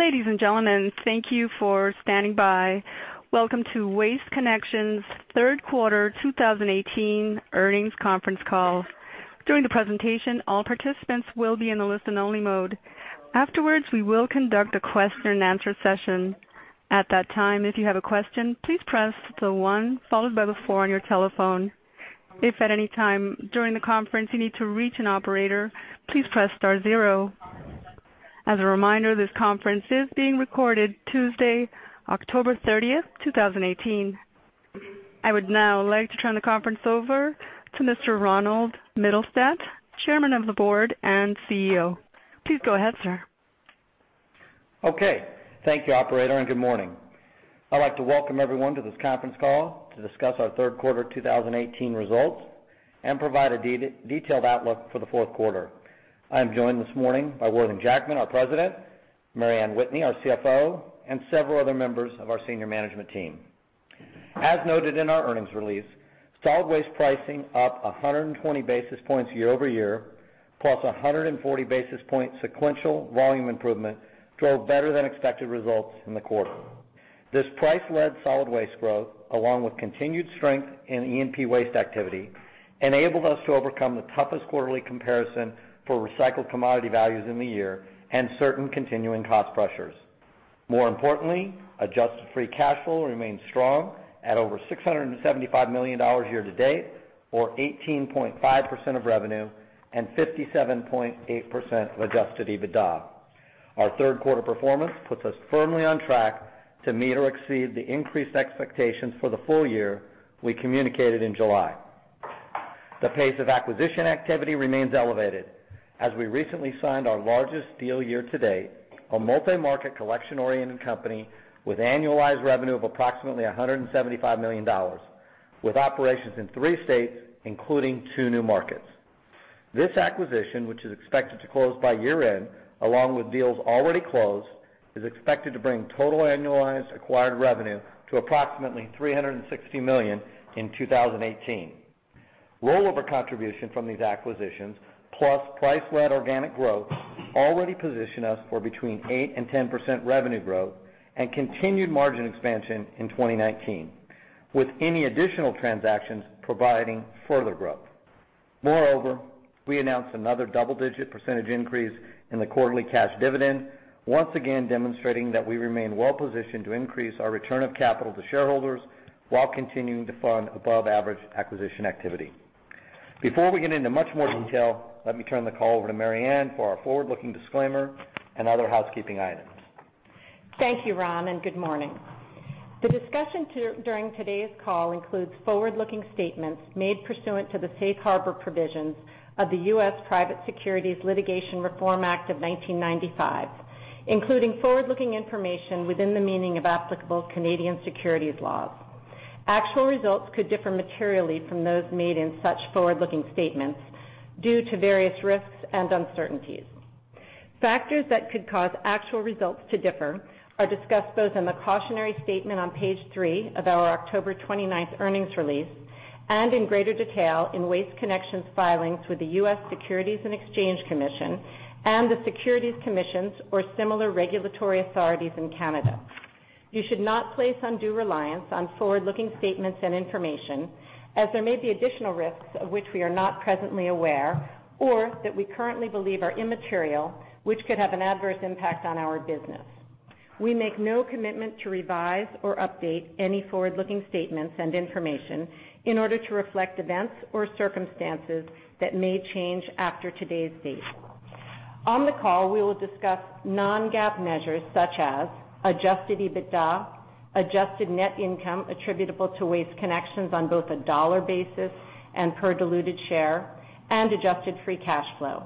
Ladies and gentlemen, thank you for standing by. Welcome to Waste Connections' third quarter 2018 earnings conference call. During the presentation, all participants will be in the listen-only mode. Afterwards, we will conduct a question-and-answer session. At that time, if you have a question, please press the one followed by the four on your telephone. If at any time during the conference you need to reach an operator, please press star zero. As a reminder, this conference is being recorded Tuesday, October 30th, 2018. I would now like to turn the conference over to Mr. Ronald Mittelstaedt, Chairman of the Board and CEO. Please go ahead, sir. Okay. Thank you, operator, and good morning. I'd like to welcome everyone to this conference call to discuss our third quarter 2018 results and provide a detailed outlook for the fourth quarter. I am joined this morning by Worthing Jackman, our President, Mary Anne Whitney, our CFO, and several other members of our senior management team. As noted in our earnings release, solid waste pricing up 120 basis points year-over-year, plus 140 basis point sequential volume improvement drove better than expected results in the quarter. This price-led solid waste growth, along with continued strength in E&P waste activity, enabled us to overcome the toughest quarterly comparison for recycled commodity values in the year and certain continuing cost pressures. More importantly, adjusted free cash flow remained strong at over $675 million year to date, or 18.5% of revenue and 57.8% adjusted EBITDA. Our third quarter performance puts us firmly on track to meet or exceed the increased expectations for the full year we communicated in July. The pace of acquisition activity remains elevated as we recently signed our largest deal year to date, a multi-market collection-oriented company with annualized revenue of approximately $175 million, with operations in three states, including two new markets. This acquisition, which is expected to close by year-end, along with deals already closed, is expected to bring total annualized acquired revenue to approximately $360 million in 2018. Rollover contribution from these acquisitions, plus price-led organic growth, already position us for between 8% and 10% revenue growth and continued margin expansion in 2019, with any additional transactions providing further growth. Moreover, we announced another double-digit percentage increase in the quarterly cash dividend, once again demonstrating that we remain well-positioned to increase our return of capital to shareholders while continuing to fund above-average acquisition activity. Before we get into much more detail, let me turn the call over to Mary Anne for our forward-looking disclaimer and other housekeeping items. Thank you, Ron, and good morning. The discussion during today's call includes forward-looking statements made pursuant to the Safe Harbor Provisions of the U.S. Private Securities Litigation Reform Act of 1995, including forward-looking information within the meaning of applicable Canadian securities laws. Actual results could differ materially from those made in such forward-looking statements due to various risks and uncertainties. Factors that could cause actual results to differ are discussed both in the cautionary statement on page three of our October 29th earnings release and in greater detail in Waste Connections filings with the U.S. Securities and Exchange Commission and the securities commissions or similar regulatory authorities in Canada. You should not place undue reliance on forward-looking statements and information as there may be additional risks of which we are not presently aware or that we currently believe are immaterial, which could have an adverse impact on our business. We make no commitment to revise or update any forward-looking statements and information in order to reflect events or circumstances that may change after today's date. On the call, we will discuss non-GAAP measures such as adjusted EBITDA, adjusted net income attributable to Waste Connections on both a dollar basis and per diluted share, and adjusted free cash flow.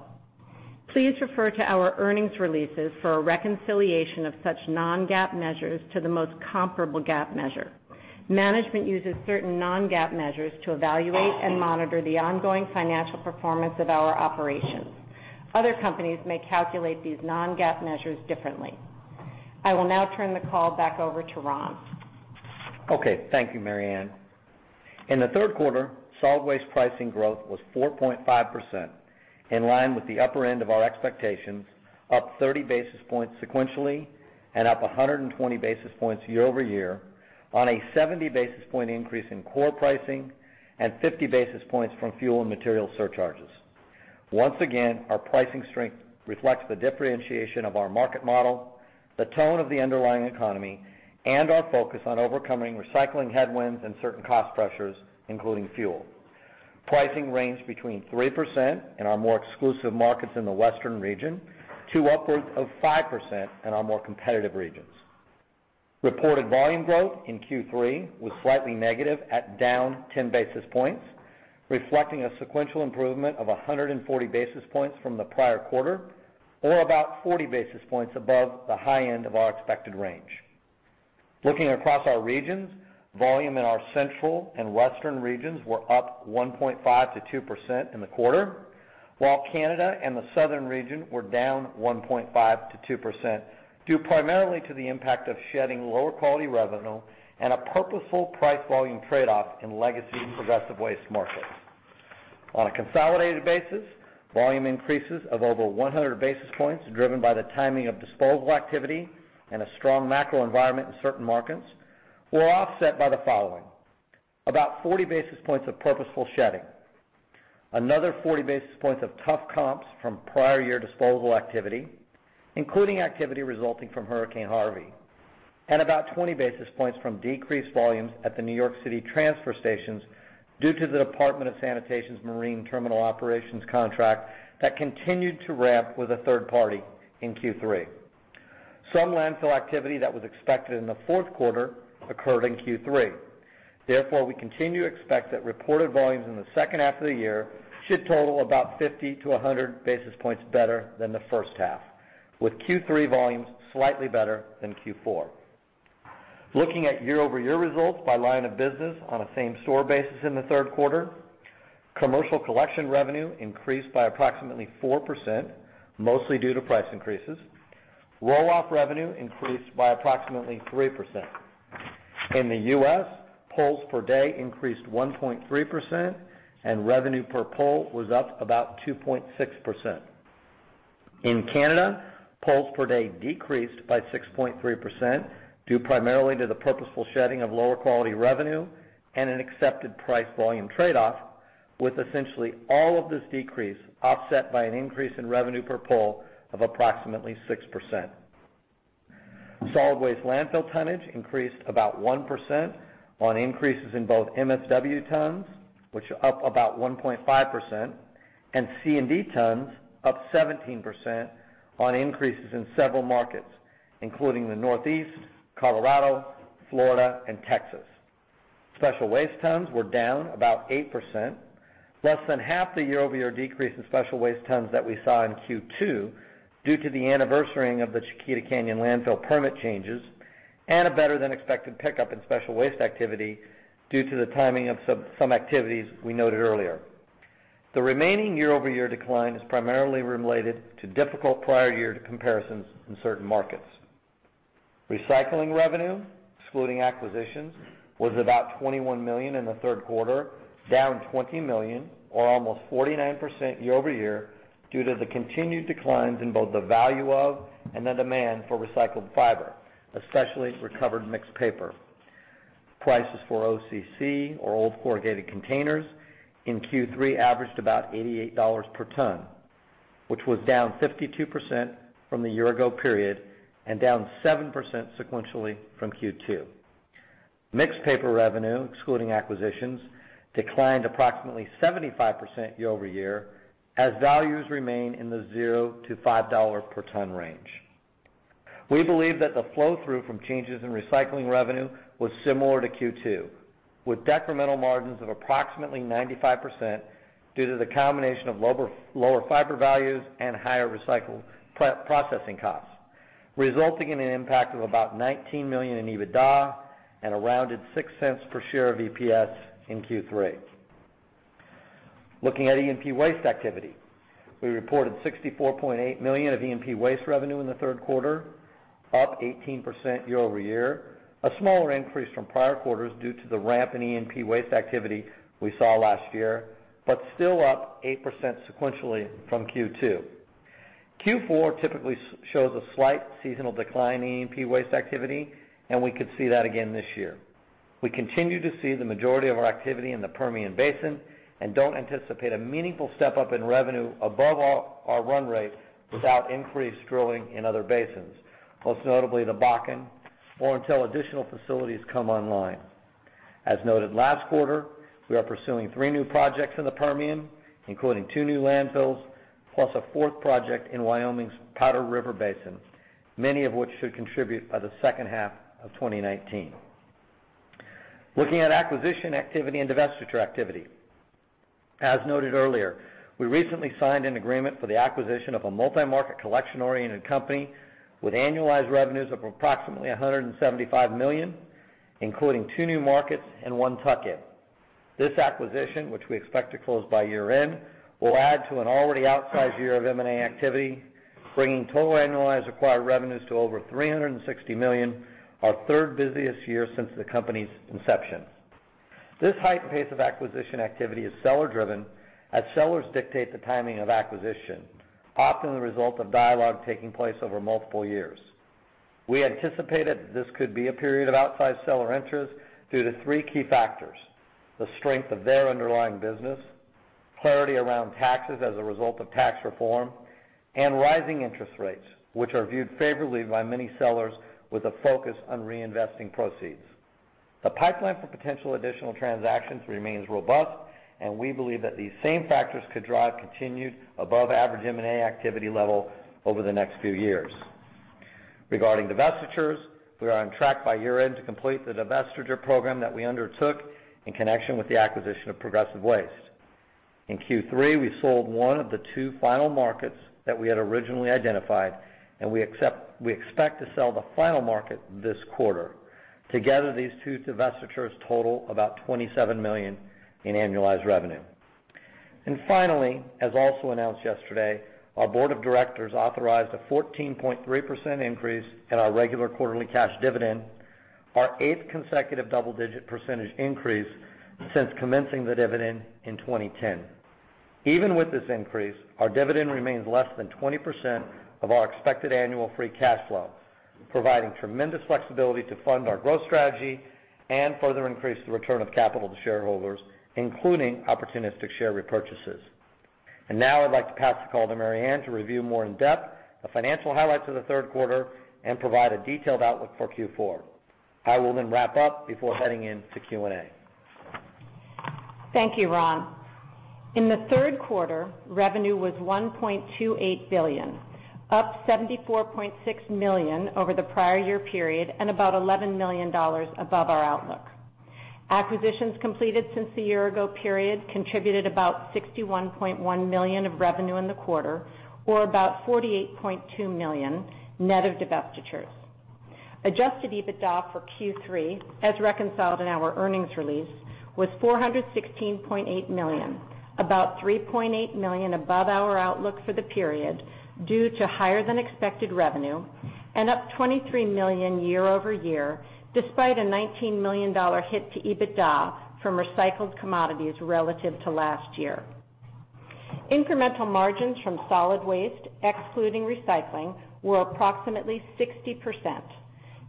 Please refer to our earnings releases for a reconciliation of such non-GAAP measures to the most comparable GAAP measure. Management uses certain non-GAAP measures to evaluate and monitor the ongoing financial performance of our operations. Other companies may calculate these non-GAAP measures differently. I will now turn the call back over to Ron. Okay. Thank you, Mary Anne. In the third quarter, solid waste pricing growth was 4.5%, in line with the upper end of our expectations, up 30 basis points sequentially and up 120 basis points year-over-year on a 70 basis point increase in core pricing and 50 basis points from fuel and material surcharges. Once again, our pricing strength reflects the differentiation of our market model, the tone of the underlying economy, and our focus on overcoming recycling headwinds and certain cost pressures, including fuel. Pricing ranged between 3% in our more exclusive markets in the western region to upwards of 5% in our more competitive regions. Reported volume growth in Q3 was slightly negative at down 10 basis points, reflecting a sequential improvement of 140 basis points from the prior quarter, or about 40 basis points above the high end of our expected range. Looking across our regions, volume in our central and western regions were up 1.5%-2% in the quarter, while Canada and the southern region were down 1.5%-2%, due primarily to the impact of shedding lower-quality revenue and a purposeful price-volume trade-off in legacy Progressive Waste markets. On a consolidated basis, volume increases of over 100 basis points driven by the timing of disposal activity and a strong macro environment in certain markets were offset by the following. About 40 basis points of purposeful shedding, another 40 basis points of tough comps from prior year disposal activity, including activity resulting from Hurricane Harvey, and about 20 basis points from decreased volumes at the New York City transfer stations due to the Department of Sanitation's Marine Terminal Operations contract that continued to ramp with a third party in Q3. Some landfill activity that was expected in the fourth quarter occurred in Q3. We continue to expect that reported volumes in the second half of the year should total about 50 to 100 basis points better than the first half, with Q3 volumes slightly better than Q4. Looking at year-over-year results by line of business on a same-store basis in the third quarter, commercial collection revenue increased by approximately 4%, mostly due to price increases. Roll-off revenue increased by approximately 3%. In the U.S., pulls per day increased 1.3%, and revenue per pull was up about 2.6%. In Canada, pulls per day decreased by 6.3%, due primarily to the purposeful shedding of lower-quality revenue and an accepted price-volume trade-off, with essentially all of this decrease offset by an increase in revenue per pull of approximately 6%. Solid waste landfill tonnage increased about 1% on increases in both MSW tons, which are up about 1.5%, and C&D tons, up 17% on increases in several markets, including the Northeast, Colorado, Florida, and Texas. Special waste tons were down about 8%, less than half the year-over-year decrease in special waste tons that we saw in Q2 due to the anniversarying of the Chiquita Canyon Landfill permit changes and a better-than-expected pickup in special waste activity due to the timing of some activities we noted earlier. The remaining year-over-year decline is primarily related to difficult prior year comparisons in certain markets. Recycling revenue, excluding acquisitions, was about $21 million in the third quarter, down $20 million or almost 49% year-over-year due to the continued declines in both the value of and the demand for recycled fiber, especially recovered mixed paper. Prices for OCC, or old corrugated containers, in Q3 averaged about $88 per ton, which was down 52% from the year-ago period and down 7% sequentially from Q2. Mixed paper revenue, excluding acquisitions, declined approximately 75% year-over-year as values remain in the zero to $5 per ton range. We believe that the flow-through from changes in recycling revenue was similar to Q2, with decremental margins of approximately 95% due to the combination of lower fiber values and higher recycle processing costs, resulting in an impact of about $19 million in EBITDA and a rounded $0.06 per share of EPS in Q3. Looking at E&P waste activity, we reported $64.8 million of E&P waste revenue in the third quarter, up 18% year-over-year, a smaller increase from prior quarters due to the ramp in E&P waste activity we saw last year, but still up 8% sequentially from Q2. Q4 typically shows a slight seasonal decline in E&P waste activity. We could see that again this year. We continue to see the majority of our activity in the Permian Basin and don't anticipate a meaningful step-up in revenue above our run rate without increased drilling in other basins, most notably the Bakken, or until additional facilities come online. As noted last quarter, we are pursuing three new projects in the Permian, including two new landfills, plus a fourth project in Wyoming's Powder River Basin, many of which should contribute by the second half of 2019. Looking at acquisition activity and divestiture activity. As noted earlier, we recently signed an agreement for the acquisition of a multi-market collection-oriented company with annualized revenues of approximately $175 million, including two new markets and one tuck-in. This acquisition, which we expect to close by year-end, will add to an already outsized year of M&A activity, bringing total annualized acquired revenues to over $360 million, our third busiest year since the company's inception. This heightened pace of acquisition activity is seller-driven, as sellers dictate the timing of acquisition, often the result of dialogue taking place over multiple years. We anticipated that this could be a period of outsized seller interest due to three key factors: the strength of their underlying business, clarity around taxes as a result of tax reform, and rising interest rates, which are viewed favorably by many sellers with a focus on reinvesting proceeds. The pipeline for potential additional transactions remains robust, and we believe that these same factors could drive continued above-average M&A activity level over the next few years. Regarding divestitures, we are on track by year-end to complete the divestiture program that we undertook in connection with the acquisition of Progressive Waste. In Q3, we sold one of the two final markets that we had originally identified, and we expect to sell the final market this quarter. Together, these two divestitures total about $27 million in annualized revenue. Finally, as also announced yesterday, our board of directors authorized a 14.3% increase in our regular quarterly cash dividend. Our eighth consecutive double-digit percentage increase since commencing the dividend in 2010. Even with this increase, our dividend remains less than 20% of our expected annual free cash flow, providing tremendous flexibility to fund our growth strategy and further increase the return of capital to shareholders, including opportunistic share repurchases. Now I'd like to pass the call to Mary Anne to review more in depth the financial highlights of the third quarter and provide a detailed outlook for Q4. I will then wrap up before heading into Q&A. Thank you, Ron. In the third quarter, revenue was $1.28 billion, up $74.6 million over the prior year period and about $11 million above our outlook. Acquisitions completed since the year-ago period contributed about $61.1 million of revenue in the quarter, or about $48.2 million net of divestitures. Adjusted EBITDA for Q3, as reconciled in our earnings release, was $416.8 million, about $3.8 million above our outlook for the period due to higher-than-expected revenue and up $23 million year-over-year, despite a $19 million hit to EBITDA from recycled commodities relative to last year. Incremental margins from solid waste, excluding recycling, were approximately 60%,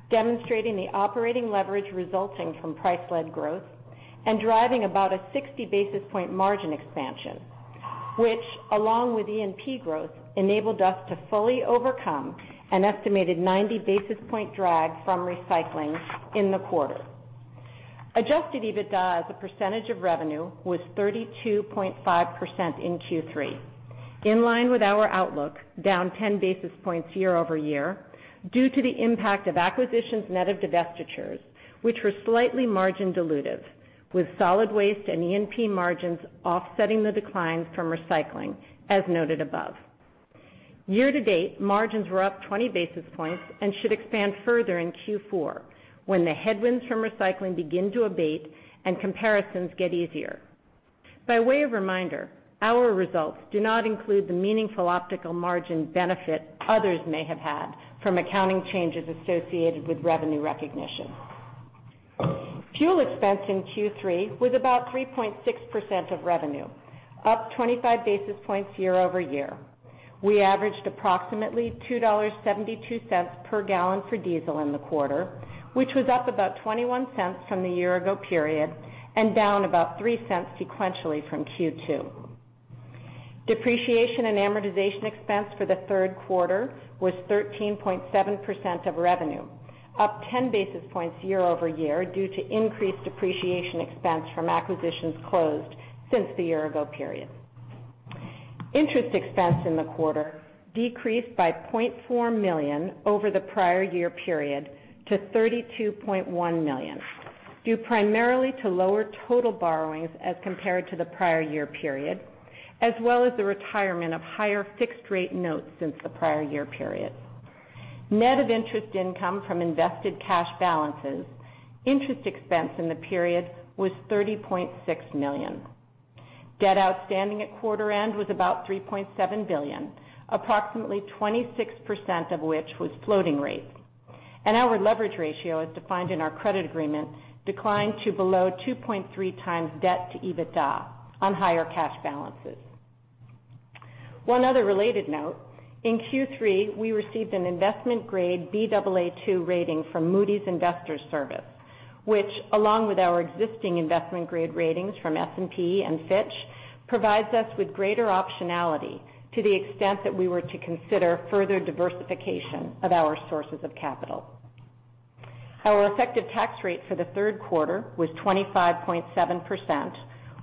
demonstrating the operating leverage resulting from price-led growth and driving about a 60-basis-point margin expansion, which, along with E&P growth, enabled us to fully overcome an estimated 90-basis-point drag from recycling in the quarter. Adjusted EBITDA as a percentage of revenue was 32.5% in Q3. In line with our outlook, down 10 basis points year-over-year due to the impact of acquisitions net of divestitures, which were slightly margin dilutive, with solid waste and E&P margins offsetting the declines from recycling, as noted above. Year-to-date, margins were up 20 basis points and should expand further in Q4 when the headwinds from recycling begin to abate and comparisons get easier. By way of reminder, our results do not include the meaningful optical margin benefit others may have had from accounting changes associated with revenue recognition. Fuel expense in Q3 was about 3.6% of revenue, up 25 basis points year-over-year. We averaged approximately $2.72 per gallon for diesel in the quarter, which was up about $0.21 from the year-ago period and down about $0.03 sequentially from Q2. Depreciation and amortization expense for the third quarter was 13.7% of revenue, up 10 basis points year-over-year due to increased depreciation expense from acquisitions closed since the year-ago period. Interest expense in the quarter decreased by $0.4 million over the prior year period to $32.1 million due primarily to lower total borrowings as compared to the prior year period as well as the retirement of higher fixed-rate notes since the prior year period. Net of interest income from invested cash balances, interest expense in the period was $30.6 million. Debt outstanding at quarter end was about $3.7 billion, approximately 26% of which was floating rate. Our leverage ratio, as defined in our credit agreement, declined to below 2.3 times debt to EBITDA on higher cash balances. One other related note. In Q3, we received an investment-grade Baa2 rating from Moody's Investors Service, which along with our existing investment-grade ratings from S&P and Fitch, provides us with greater optionality to the extent that we were to consider further diversification of our sources of capital. Our effective tax rate for the third quarter was 25.7%,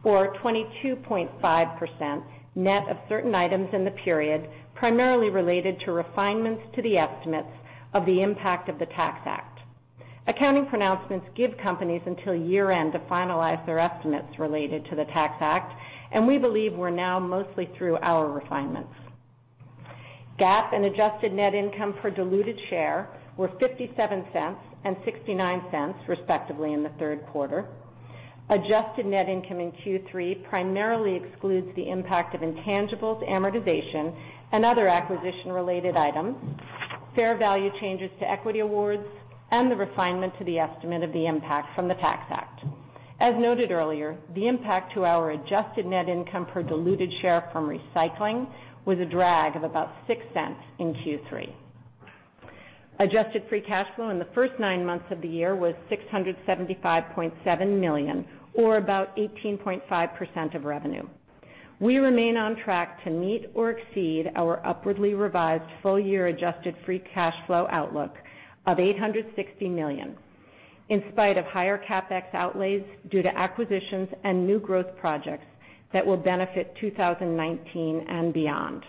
or 22.5% net of certain items in the period, primarily related to refinements to the estimates of the impact of the Tax Act. Accounting pronouncements give companies until year-end to finalize their estimates related to the Tax Act, and we believe we're now mostly through our refinements. GAAP and adjusted net income per diluted share were $0.57 and $0.69, respectively, in the third quarter. Adjusted net income in Q3 primarily excludes the impact of intangibles, amortization, and other acquisition-related items, fair value changes to equity awards, and the refinement to the estimate of the impact from the Tax Act. As noted earlier, the impact to our adjusted net income per diluted share from recycling was a drag of about $0.06 in Q3. Adjusted free cash flow in the first nine months of the year was $675.7 million, or about 18.5% of revenue. We remain on track to meet or exceed our upwardly revised full-year adjusted free cash flow outlook of $860 million, in spite of higher CapEx outlays due to acquisitions and new growth projects that will benefit 2019 and beyond.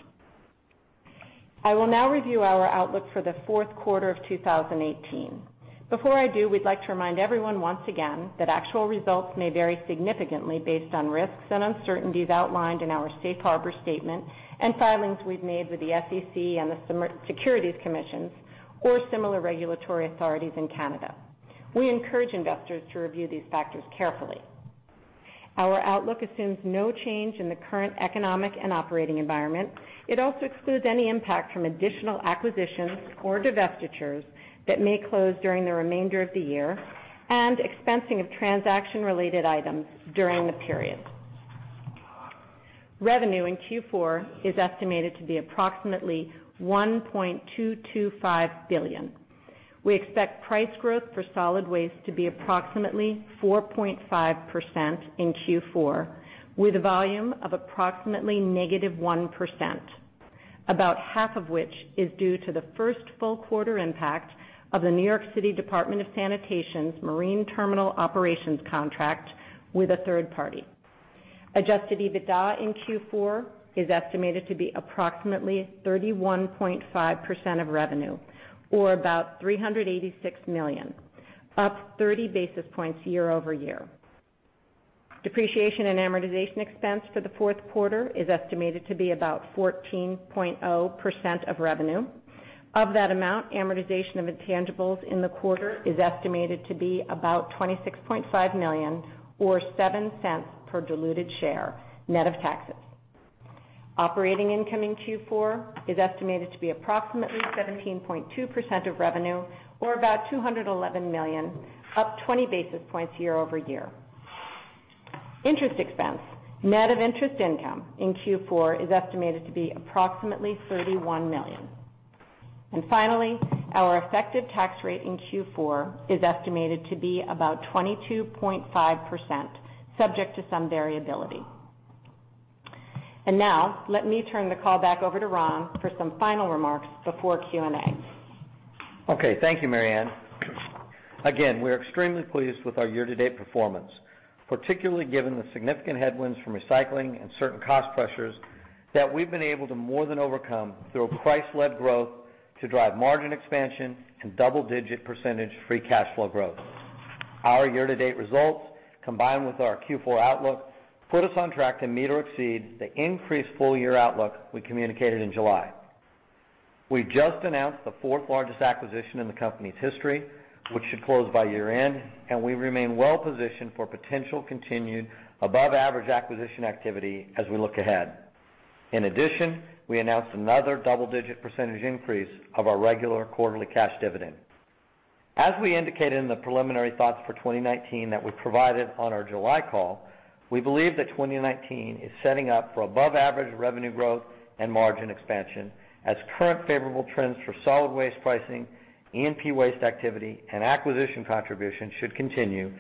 I will now review our outlook for the fourth quarter of 2018. Before I do, we'd like to remind everyone once again that actual results may vary significantly based on risks and uncertainties outlined in our safe harbor statement and filings we've made with the SEC and the Securities Commissions or similar regulatory authorities in Canada. We encourage investors to review these factors carefully. Our outlook assumes no change in the current economic and operating environment. It also excludes any impact from additional acquisitions or divestitures that may close during the remainder of the year and expensing of transaction-related items during the period. Revenue in Q4 is estimated to be approximately $1.225 billion. We expect price growth for solid waste to be approximately 4.5% in Q4, with a volume of approximately negative 1%, about half of which is due to the first full quarter impact of the New York City Department of Sanitation's Marine Terminal Operations contract with a third party. Adjusted EBITDA in Q4 is estimated to be approximately 31.5% of revenue, or about $386 million, up 30 basis points year-over-year. Depreciation and amortization expense for the fourth quarter is estimated to be about 14.0% of revenue. Of that amount, amortization of intangibles in the quarter is estimated to be about $26.5 million or $0.07 per diluted share, net of taxes. Operating income in Q4 is estimated to be approximately 17.2% of revenue, or about $211 million, up 20 basis points year-over-year. Interest expense, net of interest income in Q4 is estimated to be approximately $31 million. Finally, our effective tax rate in Q4 is estimated to be about 22.5%, subject to some variability. Now, let me turn the call back over to Ron for some final remarks before Q&A. Okay. Thank you, Mary Anne. Again, we're extremely pleased with our year-to-date performance, particularly given the significant headwinds from recycling and certain cost pressures that we've been able to more than overcome through price-led growth to drive margin expansion and double-digit percentage free cash flow growth. Our year-to-date results, combined with our Q4 outlook, put us on track to meet or exceed the increased full-year outlook we communicated in July. We've just announced the fourth largest acquisition in the company's history, which should close by year-end, and we remain well-positioned for potential continued above-average acquisition activity as we look ahead. In addition, we announced another double-digit percentage increase of our regular quarterly cash dividend. As we indicated in the preliminary thoughts for 2019 that we provided on our July call, we believe that 2019 is setting up for above-average revenue growth and margin expansion, as current favorable trends for solid waste pricing, E&P waste activity, and acquisition contribution should continue,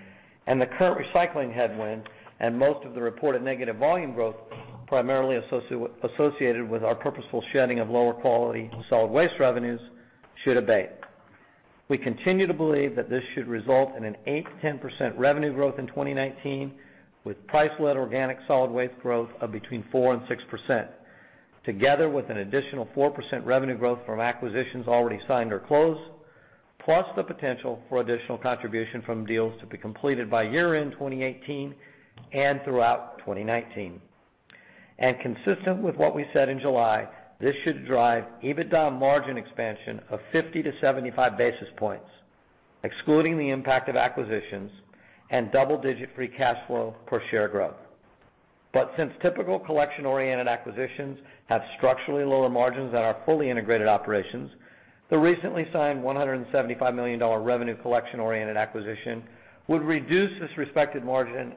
and the current recycling headwind and most of the reported negative volume growth, primarily associated with our purposeful shedding of lower-quality solid waste revenues, should abate. We continue to believe that this should result in an 8%-10% revenue growth in 2019, with price-led organic solid waste growth of between 4%-6%, together with an additional 4% revenue growth from acquisitions already signed or closed, plus the potential for additional contribution from deals to be completed by year-end 2018 and throughout 2019. Consistent with what we said in July, this should drive EBITDA margin expansion of 50 to 75 basis points, excluding the impact of acquisitions and double-digit free cash flow per share growth. Since typical collection-oriented acquisitions have structurally lower margins than our fully integrated operations, the recently signed $175 million revenue collection-oriented acquisition would reduce this expected margin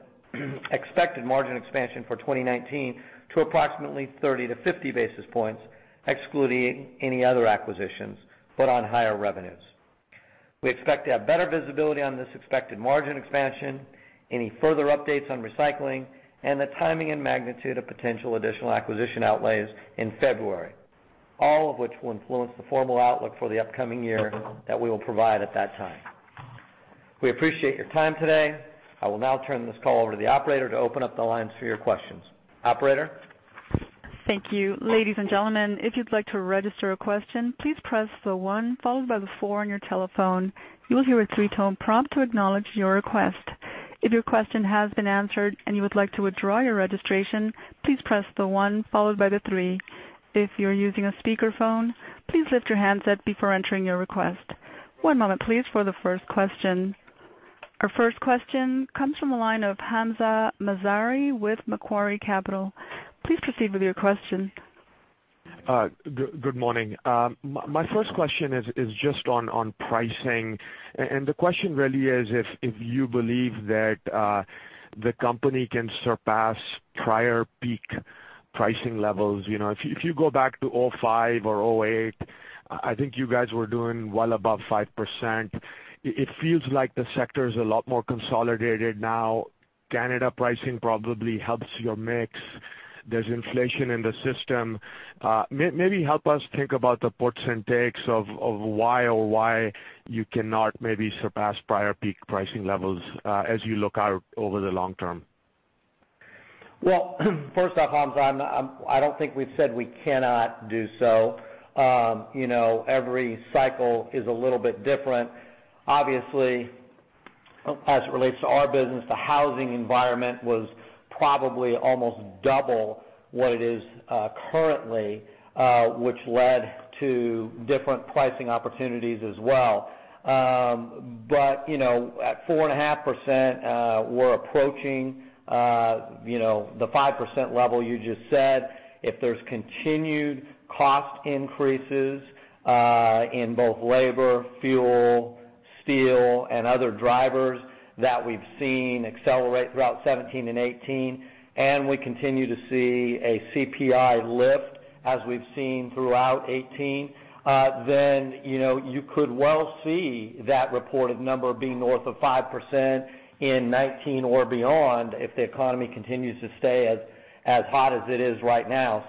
expansion for 2019 to approximately 30 to 50 basis points, excluding any other acquisitions, but on higher revenues. We expect to have better visibility on this expected margin expansion, any further updates on recycling, and the timing and magnitude of potential additional acquisition outlays in February, all of which will influence the formal outlook for the upcoming year that we will provide at that time. We appreciate your time today. I will now turn this call over to the operator to open up the lines for your questions. Operator? Thank you. Ladies and gentlemen, if you would like to register a question, please press the one followed by the four on your telephone. You will hear a three-tone prompt to acknowledge your request. If your question has been answered and you would like to withdraw your registration, please press the one followed by the three. If you are using a speakerphone, please lift your handset before entering your request. One moment please for the first question. Our first question comes from the line of Hamza Mazari with Macquarie Capital. Please proceed with your question. Good morning. My first question is just on pricing, the question really is if you believe that the company can surpass prior peak pricing levels. If you go back to 2005 or 2008, I think you guys were doing well above 5%. It feels like the sector is a lot more consolidated now. Canada pricing probably helps your mix. There is inflation in the system. Maybe help us think about the puts and takes of why or why you cannot maybe surpass prior peak pricing levels as you look out over the long term. Well, first off, Hamza, I don't think we have said we cannot do so. Every cycle is a little bit different. As it relates to our business, the housing environment was probably almost double what it is currently, which led to different pricing opportunities as well. At 4.5%, we are approaching the 5% level you just said. If there is continued cost increases in both labor, fuel, steel, and other drivers that we have seen accelerate throughout 2017 and 2018, and we continue to see a CPI lift as we have seen throughout 2018, you could well see that reported number being north of 5% in 2019 or beyond if the economy continues to stay as hot as it is right now.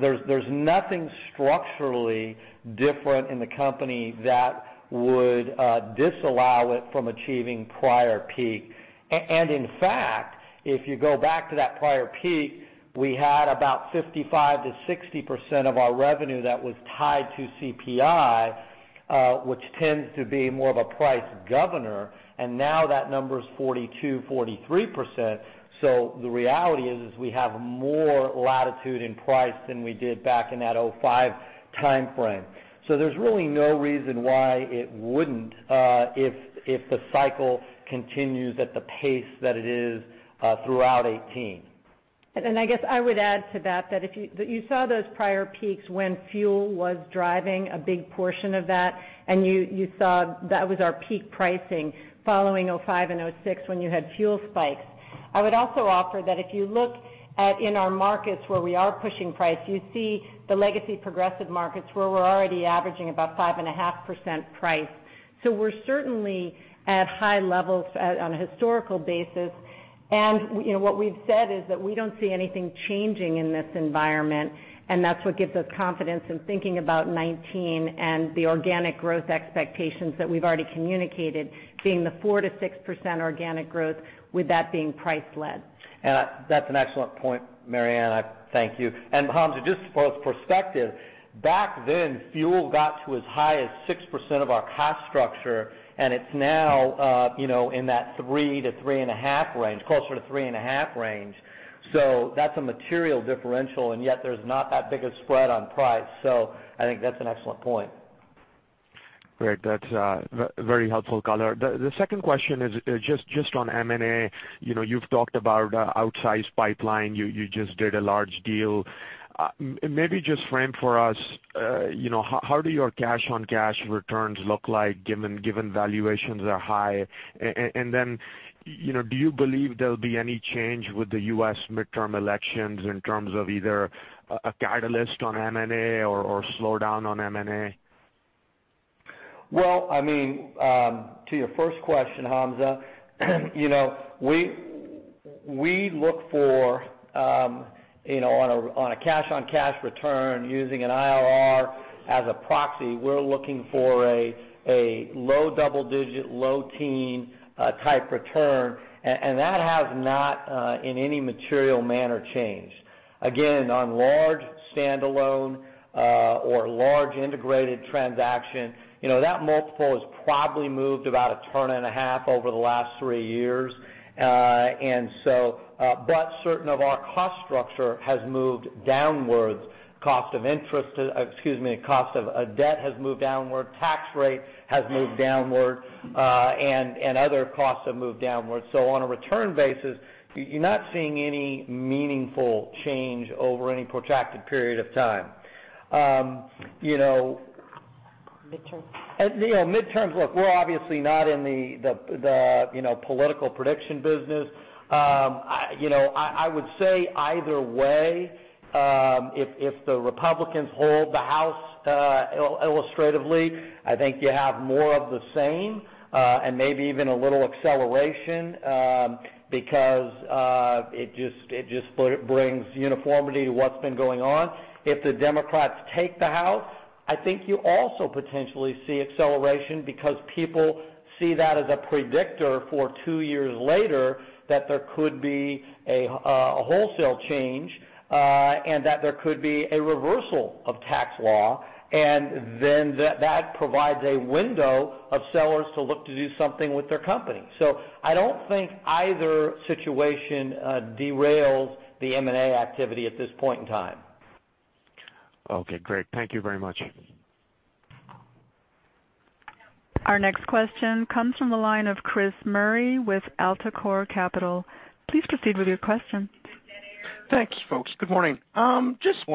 There is nothing structurally different in the company that would disallow it from achieving prior peak. In fact, if you go back to that prior peak, we had about 55%-60% of our revenue that was tied to CPI, which tends to be more of a price governor, and now that number is 42%, 43%. The reality is we have more latitude in price than we did back in that 2005 timeframe. There's really no reason why it wouldn't, if the cycle continues at the pace that it is throughout 2018. I guess I would add to that you saw those prior peaks when fuel was driving a big portion of that, and you saw that was our peak pricing following 2005 and 2006 when you had fuel spikes. I would also offer that if you look at in our markets where we are pushing price, you see the legacy Progressive markets where we're already averaging about 5.5% price. We're certainly at high levels on a historical basis. What we've said is that we don't see anything changing in this environment, and that's what gives us confidence in thinking about 2019 and the organic growth expectations that we've already communicated being the 4%-6% organic growth, with that being price-led. That's an excellent point, Mary Anne. Thank you. Hamza, just for perspective, back then, fuel got to as high as 6% of our cost structure, and it's now in that 3%-3.5% range, closer to 3.5% range. That's a material differential, and yet there's not that big a spread on price. I think that's an excellent point. Great. That's a very helpful color. The second question is just on M&A. You've talked about outsized pipeline. You just did a large deal. Maybe just frame for us, how do your cash-on-cash returns look like given valuations are high? Then, do you believe there'll be any change with the U.S. midterm elections in terms of either a catalyst on M&A or slowdown on M&A? Well, to your first question, Hamza, we look for on a cash-on-cash return using an IRR as a proxy, we're looking for a low double digit, low teen type return, and that has not, in any material manner, changed. Again, on large standalone or large integrated transaction, that multiple has probably moved about a ton and a half over the last three years. Certain of our cost structure has moved downwards. Cost of interest, excuse me, cost of debt has moved downward, tax rate has moved downward, and other costs have moved downwards. On a return basis, you're not seeing any meaningful change over any protracted period of time. Midterms. Midterms, look, we're obviously not in the political prediction business. I would say either way, if the Republicans hold the House illustratively, I think you have more of the same, and maybe even a little acceleration, because it just brings uniformity to what's been going on. If the Democrats take the House, I think you also potentially see acceleration because people see that as a predictor for two years later that there could be a wholesale change, and that there could be a reversal of tax law. That provides a window of sellers to look to do something with their company. I don't think either situation derails the M&A activity at this point in time. Okay, great. Thank you very much. Our next question comes from the line of Chris Murray with AltaCorp Capital. Please proceed with your question. Thanks, folks. Good morning. Morning. Just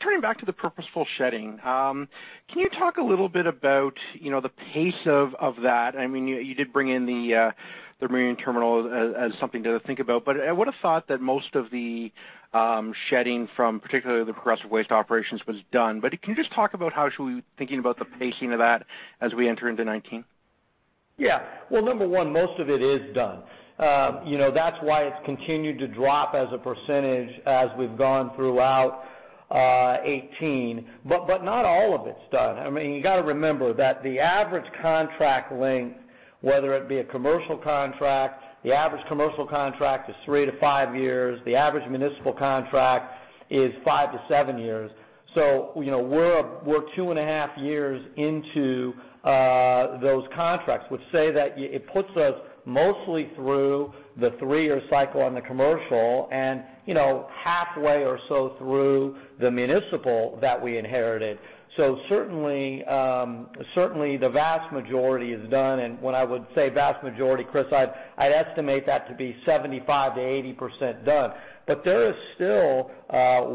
turning back to the purposeful shedding, can you talk a little bit about the pace of that? You did bring in the marine terminal as something to think about, but I would've thought that most of the shedding from particularly the Progressive Waste operations was done. Can you just talk about how should we thinking about the pacing of that as we enter into 2019? Yeah. Well, number one, most of it is done. That's why it's continued to drop as a percentage as we've gone throughout 2018. Not all of it's done. You got to remember that the average contract length, whether it be a commercial contract, the average commercial contract is 3 to 5 years. The average municipal contract is 5 to 7 years. We're two and a half years into those contracts, which say that it puts us mostly through the three-year cycle on the commercial, and halfway or so through the municipal that we inherited. Certainly, the vast majority is done, and when I would say vast majority, Chris, I'd estimate that to be 75%-80% done.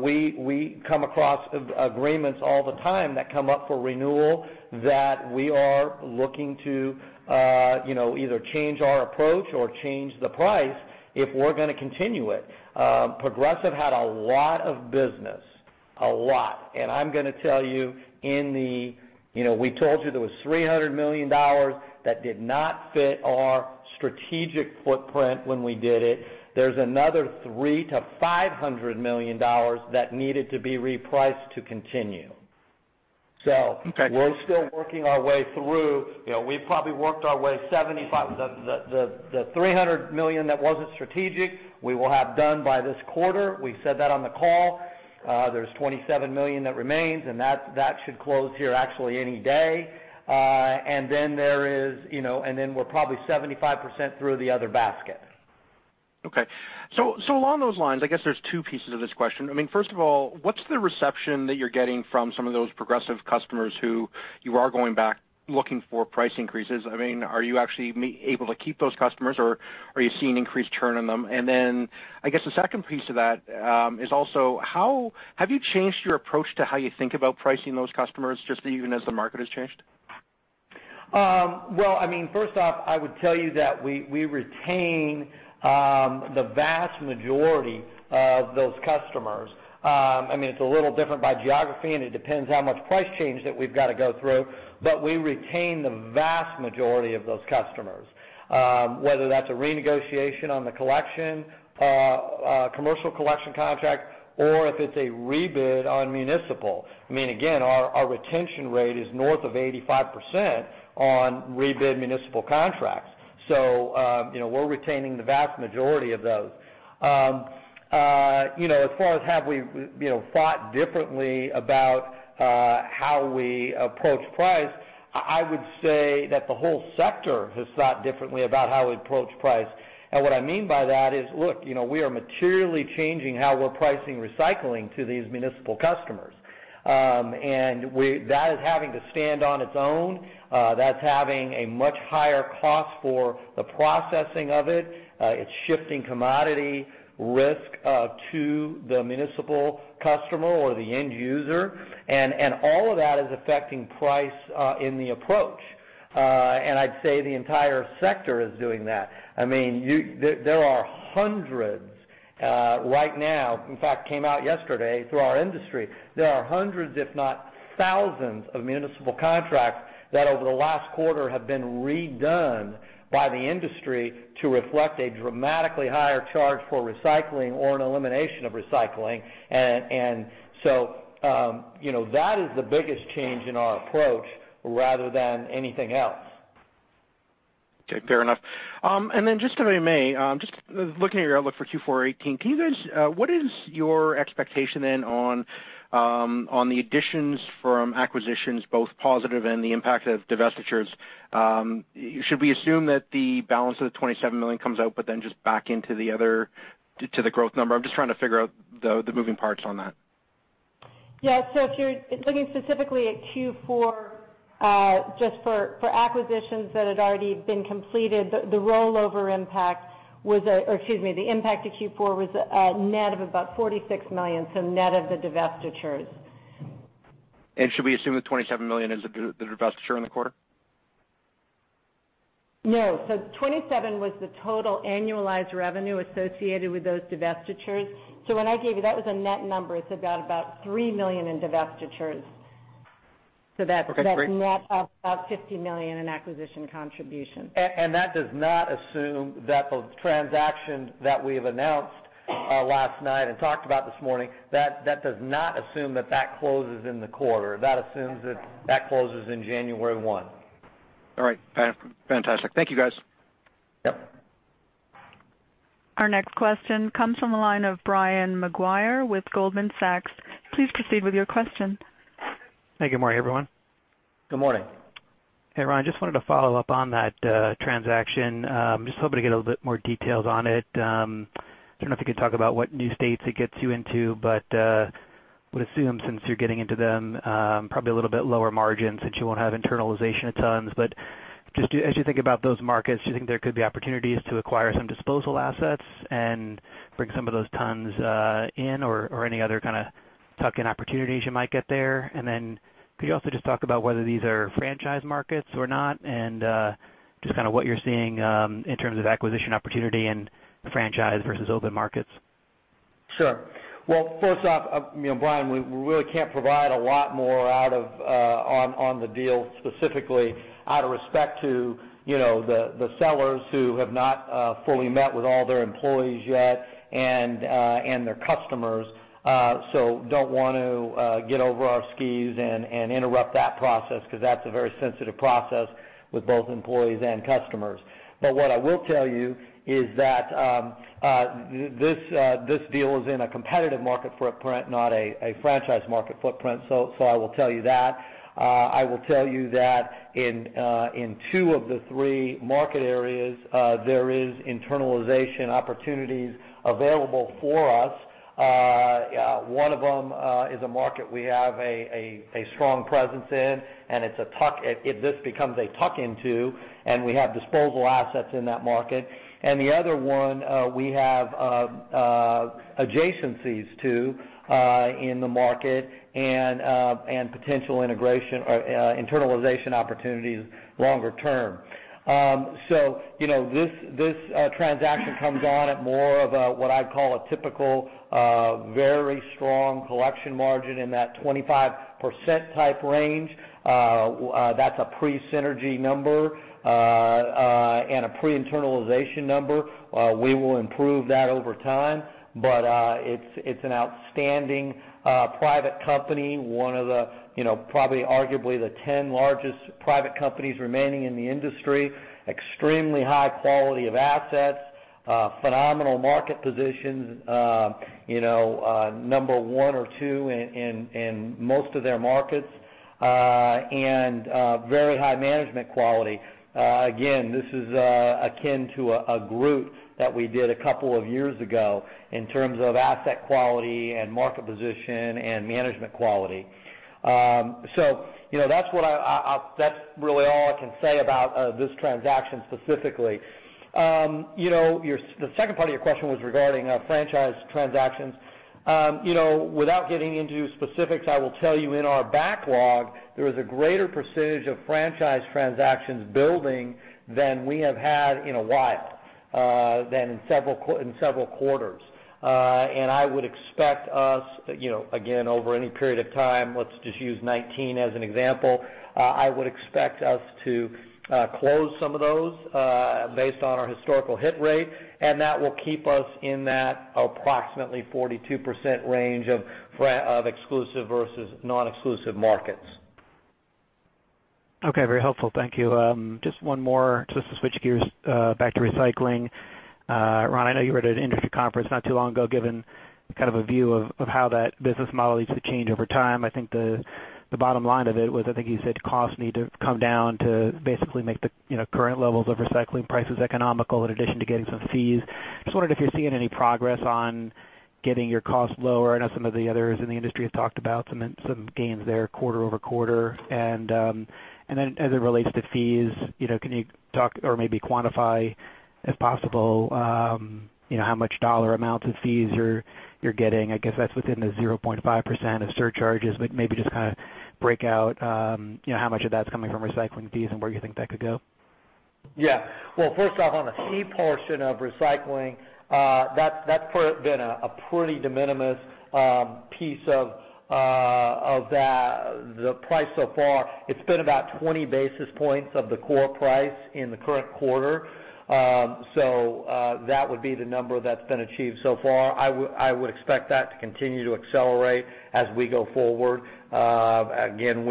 We come across agreements all the time that come up for renewal that we are looking to either change our approach or change the price if we're going to continue it. Progressive had a lot of business. A lot. I'm going to tell you, we told you there was $300 million that did not fit our strategic footprint when we did it. There's another $300 million-$500 million that needed to be repriced to continue. Okay. We're still working our way through. We've probably worked our way 75. The $300 million that wasn't strategic, we will have done by this quarter. We said that on the call. There's $27 million that remains. That should close here actually any day. We're probably 75% through the other basket. Along those lines, I guess there's two pieces of this question. First of all, what's the reception that you're getting from some of those Progressive customers who you are going back looking for price increases? Are you actually able to keep those customers, or are you seeing increased churn on them? I guess the second piece of that is also, have you changed your approach to how you think about pricing those customers just even as the market has changed? First off, I would tell you that we retain the vast majority of those customers. It's a little different by geography. It depends how much price change that we've got to go through. We retain the vast majority of those customers. Whether that's a renegotiation on the commercial collection contract, or if it's a rebid on municipal. Again, our retention rate is north of 85% on rebid municipal contracts. We're retaining the vast majority of those. As far as have we thought differently about how we approach price, I would say that the whole sector has thought differently about how we approach price. What I mean by that is, look, we are materially changing how we're pricing recycling to these municipal customers. That is having to stand on its own. That's having a much higher cost for the processing of it. It's shifting commodity risk to the municipal customer or the end user. All of that is affecting price in the approach. I'd say the entire sector is doing that. There are hundreds right now. In fact, came out yesterday through our industry. There are hundreds, if not thousands, of municipal contracts that over the last quarter have been redone by the industry to reflect a dramatically higher charge for recycling or an elimination of recycling. That is the biggest change in our approach rather than anything else. Okay, fair enough. Just if I may, just looking at your outlook for 2018, what is your expectation on the additions from acquisitions, both positive and the impact of divestitures? Should we assume that the balance of the $27 million comes out, just back into the growth number? I'm just trying to figure out the moving parts on that. Yeah. If you're looking specifically at Q4 just for acquisitions that had already been completed, the impact to Q4 was a net of about $46 million, net of the divestitures. Should we assume the $27 million is the divestiture in the quarter? No. $27 was the total annualized revenue associated with those divestitures. When I gave you, that was a net number, it's about $3 million in divestitures. Okay, great. That's net of about $50 million in acquisition contribution. That does not assume that the transaction that we have announced last night and talked about this morning, that does not assume that closes in the quarter. That assumes that closes in January 1. All right. Fantastic. Thank you, guys. Yep. Our next question comes from the line of Brian Maguire with Goldman Sachs. Please proceed with your question. Hey, good morning, everyone. Good morning. Hey, Ron, just wanted to follow up on that transaction. Just hoping to get a little bit more details on it. I don't know if you can talk about what new states it gets you into, but would assume since you're getting into them, probably a little bit lower margins since you won't have internalization of tons. Just as you think about those markets, do you think there could be opportunities to acquire some disposal assets and bring some of those tons in or any other kind of tuck-in opportunities you might get there? Then could you also just talk about whether these are franchise markets or not, and just what you're seeing in terms of acquisition opportunity and franchise versus open markets? Sure. Well, first off, Brian, we really can't provide a lot more on the deal specifically out of respect to the sellers who have not fully met with all their employees yet and their customers. Don't want to get over our skis and interrupt that process, because that's a very sensitive process with both employees and customers. What I will tell you is that this deal is in a competitive market footprint, not a franchise market footprint. I will tell you that. I will tell you that in two of the three market areas, there is internalization opportunities available for us. One of them is a market we have a strong presence in, and if this becomes a tuck-into, and we have disposal assets in that market. The other one we have adjacencies to in the market and potential integration or internalization opportunities longer term. This transaction comes on at more of a, what I'd call a typical, very strong collection margin in that 25% type range. That's a pre-synergy number, and a pre-internalization number. We will improve that over time. It's an outstanding private company, one of the probably arguably the 10 largest private companies remaining in the industry. Extremely high quality of assets, phenomenal market positions, number one or two in most of their markets, and very high management quality. Again, this is akin to a Groot that we did a couple of years ago in terms of asset quality and market position and management quality. That's really all I can say about this transaction specifically. The second part of your question was regarding franchise transactions. Without getting into specifics, I will tell you in our backlog, there is a greater percentage of franchise transactions building than we have had in a while, than in several quarters. I would expect us, again, over any period of time, let's just use 2019 as an example. I would expect us to close some of those based on our historical hit rate, and that will keep us in that approximately 42% range of exclusive versus non-exclusive markets. Okay. Very helpful. Thank you. Just one more just to switch gears back to recycling. Ron, I know you were at an industry conference not too long ago, giving kind of a view of how that business model needs to change over time. I think the bottom line of it was, I think you said costs need to come down to basically make the current levels of recycling prices economical in addition to getting some fees. Just wondered if you're seeing any progress on getting your costs lower. I know some of the others in the industry have talked about some gains there quarter-over-quarter. Then as it relates to fees, can you talk or maybe quantify, if possible, how much dollar amounts of fees you're getting? I guess that's within the 0.5% of surcharges. Maybe just kind of break out how much of that's coming from recycling fees and where you think that could go. First off, on the fee portion of recycling, that's been a pretty de minimis piece of the price so far. It's been about 20 basis points of the core price in the current quarter. That would be the number that's been achieved so far. I would expect that to continue to accelerate as we go forward. Again,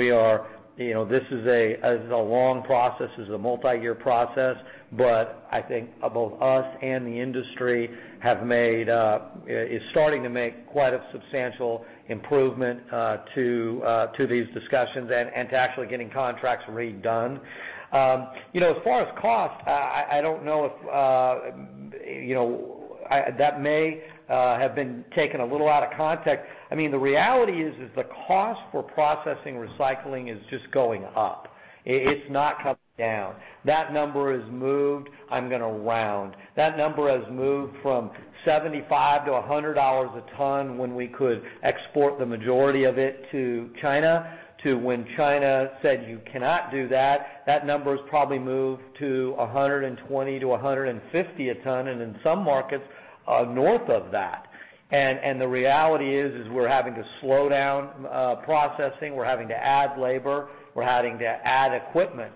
this is a long process. This is a multi-year process. I think both us and the industry is starting to make quite a substantial improvement to these discussions and to actually getting contracts redone. As far as cost, I don't know if that may have been taken a little out of context. The reality is the cost for processing recycling is just going up. It's not coming down. That number has moved. I'm going to round. That number has moved from $75-$100 a ton when we could export the majority of it to China, to when China said you cannot do that. That number's probably moved to $120-$150 a ton, and in some markets north of that. The reality is we're having to slow down processing. We're having to add labor. We're having to add equipment.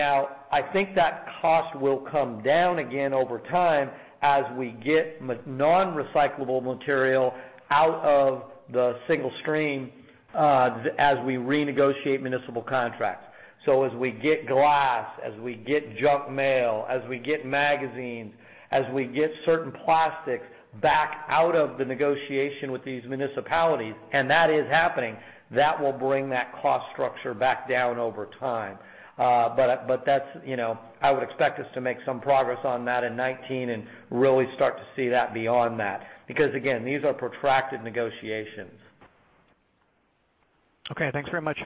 I think that cost will come down again over time as we get non-recyclable material out of the single stream, as we renegotiate municipal contracts. As we get glass, as we get junk mail, as we get magazines, as we get certain plastics back out of the negotiation with these municipalities, and that is happening, that will bring that cost structure back down over time. I would expect us to make some progress on that in 2019 and really start to see that beyond that, because again, these are protracted negotiations. Okay, thanks very much.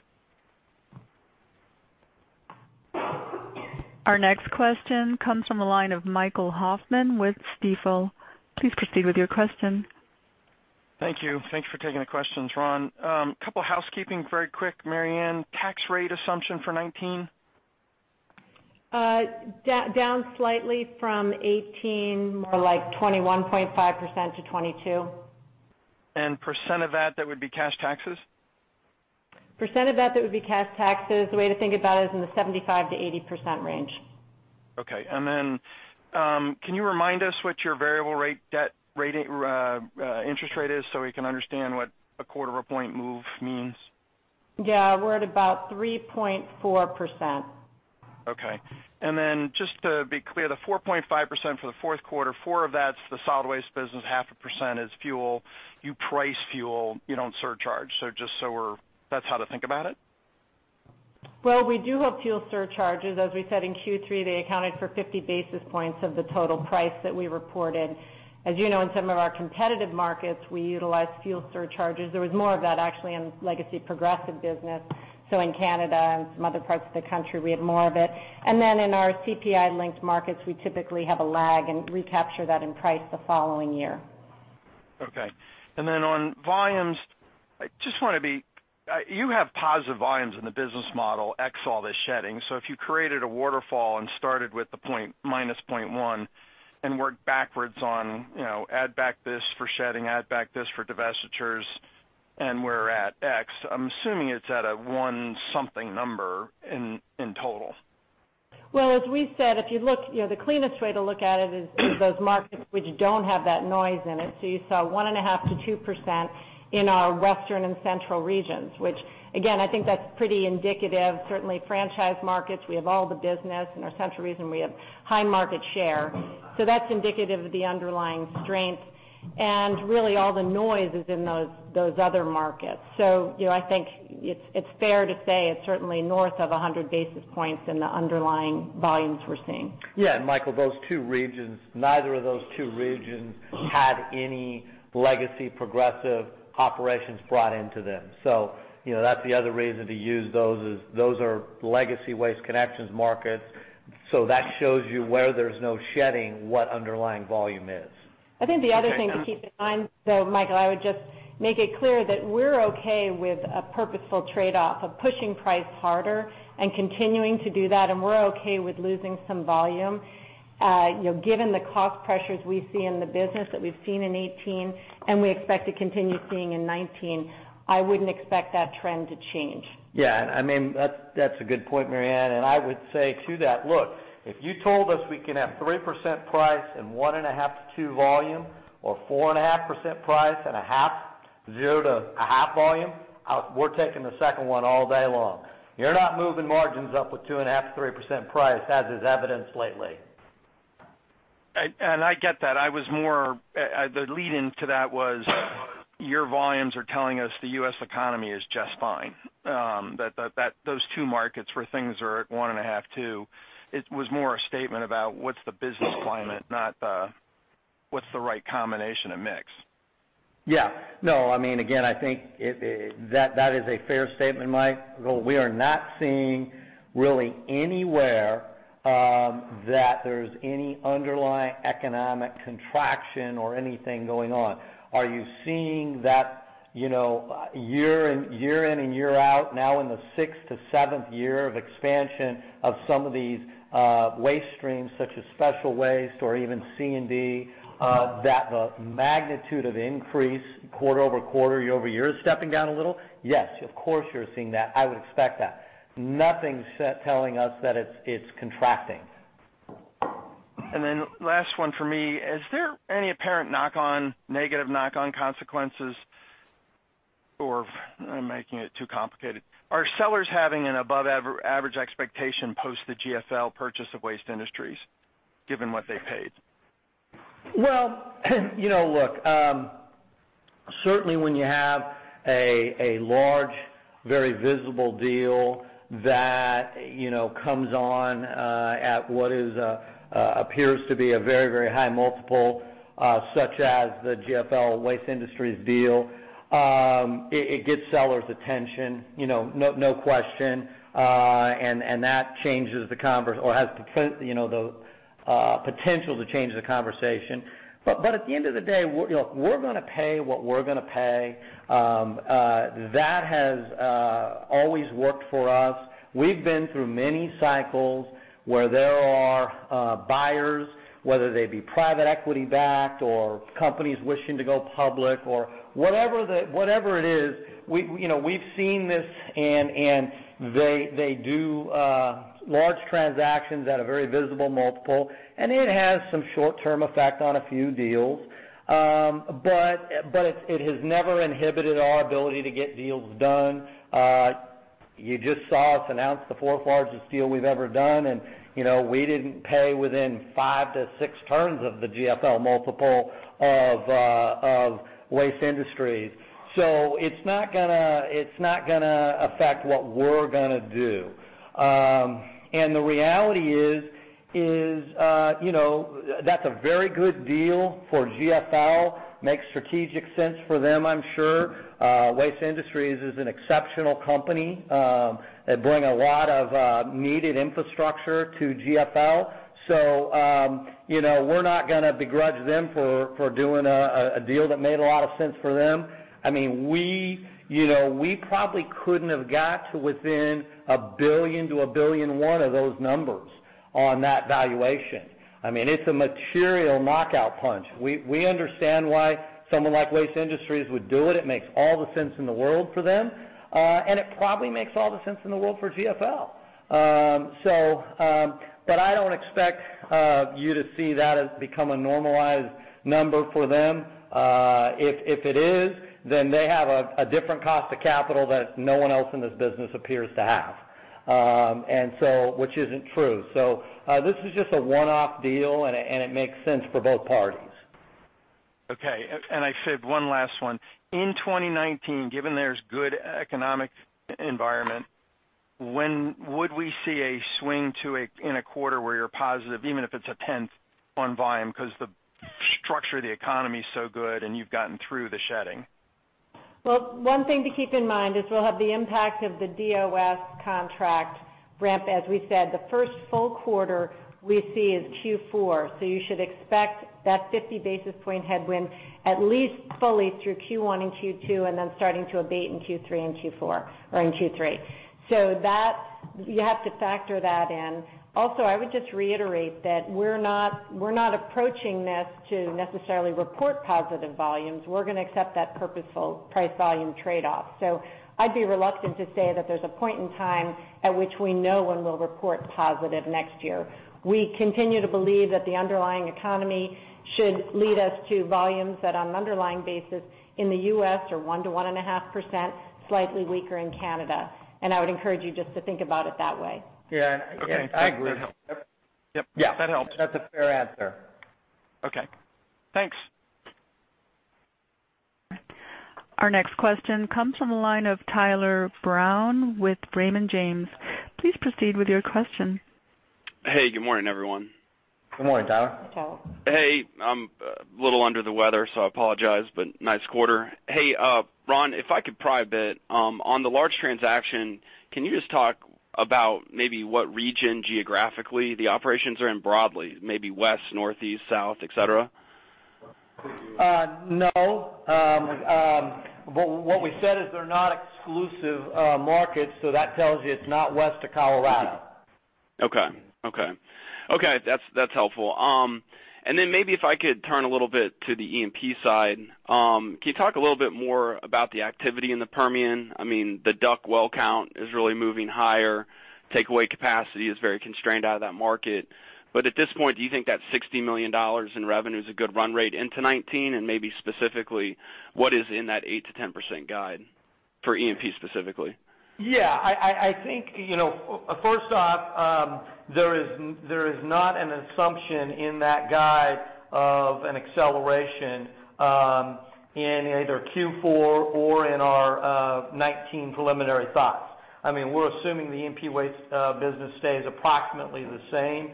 Our next question comes from the line of Michael Hoffman with Stifel. Please proceed with your question. Thank you. Thanks for taking the questions, Ron. Couple housekeeping very quick, Mary Anne. Tax rate assumption for 2019? Down slightly from 2018, more like 21.5%-22%. Percent of that would be cash taxes? Percent of that would be cash taxes, the way to think about it is in the 75%-80% range. Okay. Can you remind us what your variable rate debt interest rate is so we can understand what a quarter of a point move means? Yeah. We're at about 3.4%. Okay. Just to be clear, the 4.5% for the fourth quarter, four of that's the solid waste business, half a percent is fuel. You price fuel, you don't surcharge. That's how to think about it? Well, we do have fuel surcharges. As we said, in Q3, they accounted for 50 basis points of the total price that we reported. As you know, in some of our competitive markets, we utilize fuel surcharges. There was more of that actually in legacy Progressive business. In Canada and some other parts of the country, we have more of it. In our CPI-linked markets, we typically have a lag and recapture that in price the following year. Okay. On volumes, you have positive volumes in the business model, x all the shedding. If you created a waterfall and started with the minus 0.1 and worked backwards on add back this for shedding, add back this for divestitures, and we're at x, I'm assuming it's at a one something number in total. Well, as we said, the cleanest way to look at it is those markets which don't have that noise in it. You saw 1.5% to 2% in our western and central regions, which again, I think that's pretty indicative. Certainly franchise markets, we have all the business. In our central region, we have high market share. That's indicative of the underlying strength. Really, all the noise is in those other markets. I think it's fair to say it's certainly north of 100 basis points in the underlying volumes we're seeing. Yeah, Michael, those two regions, neither of those two regions had any legacy Progressive operations brought into them. That's the other reason to use those, is those are legacy Waste Connections markets. That shows you where there's no shedding, what underlying volume is. I think the other thing to keep in mind, though, Michael, I would just make it clear that we're okay with a purposeful trade-off of pushing price harder and continuing to do that. We're okay with losing some volume. Given the cost pressures we see in the business that we've seen in 2018, we expect to continue seeing in 2019, I wouldn't expect that trend to change. Yeah, that's a good point, Mary Anne. I would say to that, look, if you told us we can have 3% price and 1.5%-2% volume or 4.5% price and 0.5% volume, we're taking the second one all day long. You're not moving margins up with 2.5%-3% price, as is evidenced lately. I get that. The lead-in to that was your volumes are telling us the U.S. economy is just fine. That those two markets where things are at 1.5%, 2%, it was more a statement about what's the business climate, not the what's the right combination of mix. Yeah. No, again, I think that is a fair statement, Mike. We are not seeing really anywhere that there's any underlying economic contraction or anything going on. Are you seeing that year in and year out, now in the sixth to seventh year of expansion of some of these waste streams, such as special waste or even C&D, that the magnitude of increase quarter-over-quarter, year-over-year is stepping down a little? Yes, of course, you're seeing that. I would expect that. Nothing's telling us that it's contracting. Last one for me. Is there any apparent negative knock-on consequences or I'm making it too complicated? Are sellers having an above average expectation post the GFL purchase of Waste Industries, given what they paid? Well, look, certainly when you have a large, very visible deal that comes on at what appears to be a very high multiple, such as the GFL Waste Industries deal, it gets sellers' attention, no question, and that has the potential to change the conversation. At the end of the day, we're going to pay what we're going to pay. That has always worked for us. We've been through many cycles where there are buyers, whether they be private equity-backed or companies wishing to go public or whatever it is, we've seen this and they do large transactions at a very visible multiple, and it has some short-term effect on a few deals. It has never inhibited our ability to get deals done. You just saw us announce the fourth largest deal we've ever done, and we didn't pay within 5-6 turns of the GFL multiple of Waste Industries. It's not going to affect what we're going to do. The reality is, that's a very good deal for GFL, makes strategic sense for them, I'm sure. Waste Industries is an exceptional company. They bring a lot of needed infrastructure to GFL. We're not going to begrudge them for doing a deal that made a lot of sense for them. We probably couldn't have got to within $1 billion to $1.1 billion of those numbers on that valuation. It's a material knockout punch. We understand why someone like Waste Industries would do it. It makes all the sense in the world for them. It probably makes all the sense in the world for GFL. I don't expect you to see that as become a normalized number for them. If it is, then they have a different cost of capital that no one else in this business appears to have. Which isn't true. This is just a one-off deal, and it makes sense for both parties. Okay. I said one last one. In 2019, given there's good economic environment, when would we see a swing to in a quarter where you're positive, even if it's a 10th on volume because the structure of the economy is so good and you've gotten through the shedding? Well, one thing to keep in mind is we'll have the impact of the DSNY contract ramp, as we said, the first full quarter we see is Q4. You should expect that 50 basis point headwind at least fully through Q1 and Q2, and then starting to abate in Q3 and Q4 or in Q3. That, you have to factor that in. Also, I would just reiterate that we're not approaching this to necessarily report positive volumes. We're going to accept that purposeful price volume trade-off. I'd be reluctant to say that there's a point in time at which we know when we'll report positive next year. We continue to believe that the underlying economy should lead us to volumes that on an underlying basis in the U.S. are 1%-1.5%, slightly weaker in Canada. I would encourage you just to think about it that way. Yeah. I agree. Okay. That helps. Yep. Yeah. That helps. That's a fair answer. Okay, thanks. Our next question comes from the line of Tyler Brown with Raymond James. Please proceed with your question. Hey, good morning, everyone. Good morning, Tyler. Tyler. Hey, I'm a little under the weather, so I apologize, but nice quarter. Hey, Ron, if I could pry a bit. On the large transaction, can you just talk about maybe what region geographically the operations are in broadly, maybe west, northeast, south, et cetera? No. What we said is they're not exclusive markets, so that tells you it's not west of Colorado. Okay. That's helpful. Maybe if I could turn a little bit to the E&P side. Can you talk a little bit more about the activity in the Permian? The DUC well count is really moving higher. Takeaway capacity is very constrained out of that market. At this point, do you think that $60 million in revenue is a good run rate into 2019? Maybe specifically, what is in that 8%-10% guide for E&P specifically? Yeah. First off, there is not an assumption in that guide of an acceleration in either Q4 or in our 2019 preliminary thoughts. We're assuming the E&P waste business stays approximately the same,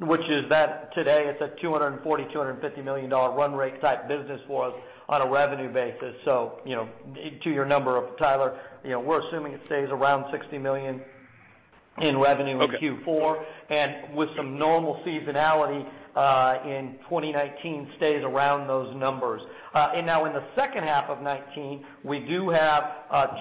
which is that today it's a $240 million, $250 million run rate type business for us on a revenue basis. To your number, Tyler, we're assuming it stays around $60 million in revenue Okay in Q4, with some normal seasonality, in 2019 stays around those numbers. Now in the second half of 2019, we do have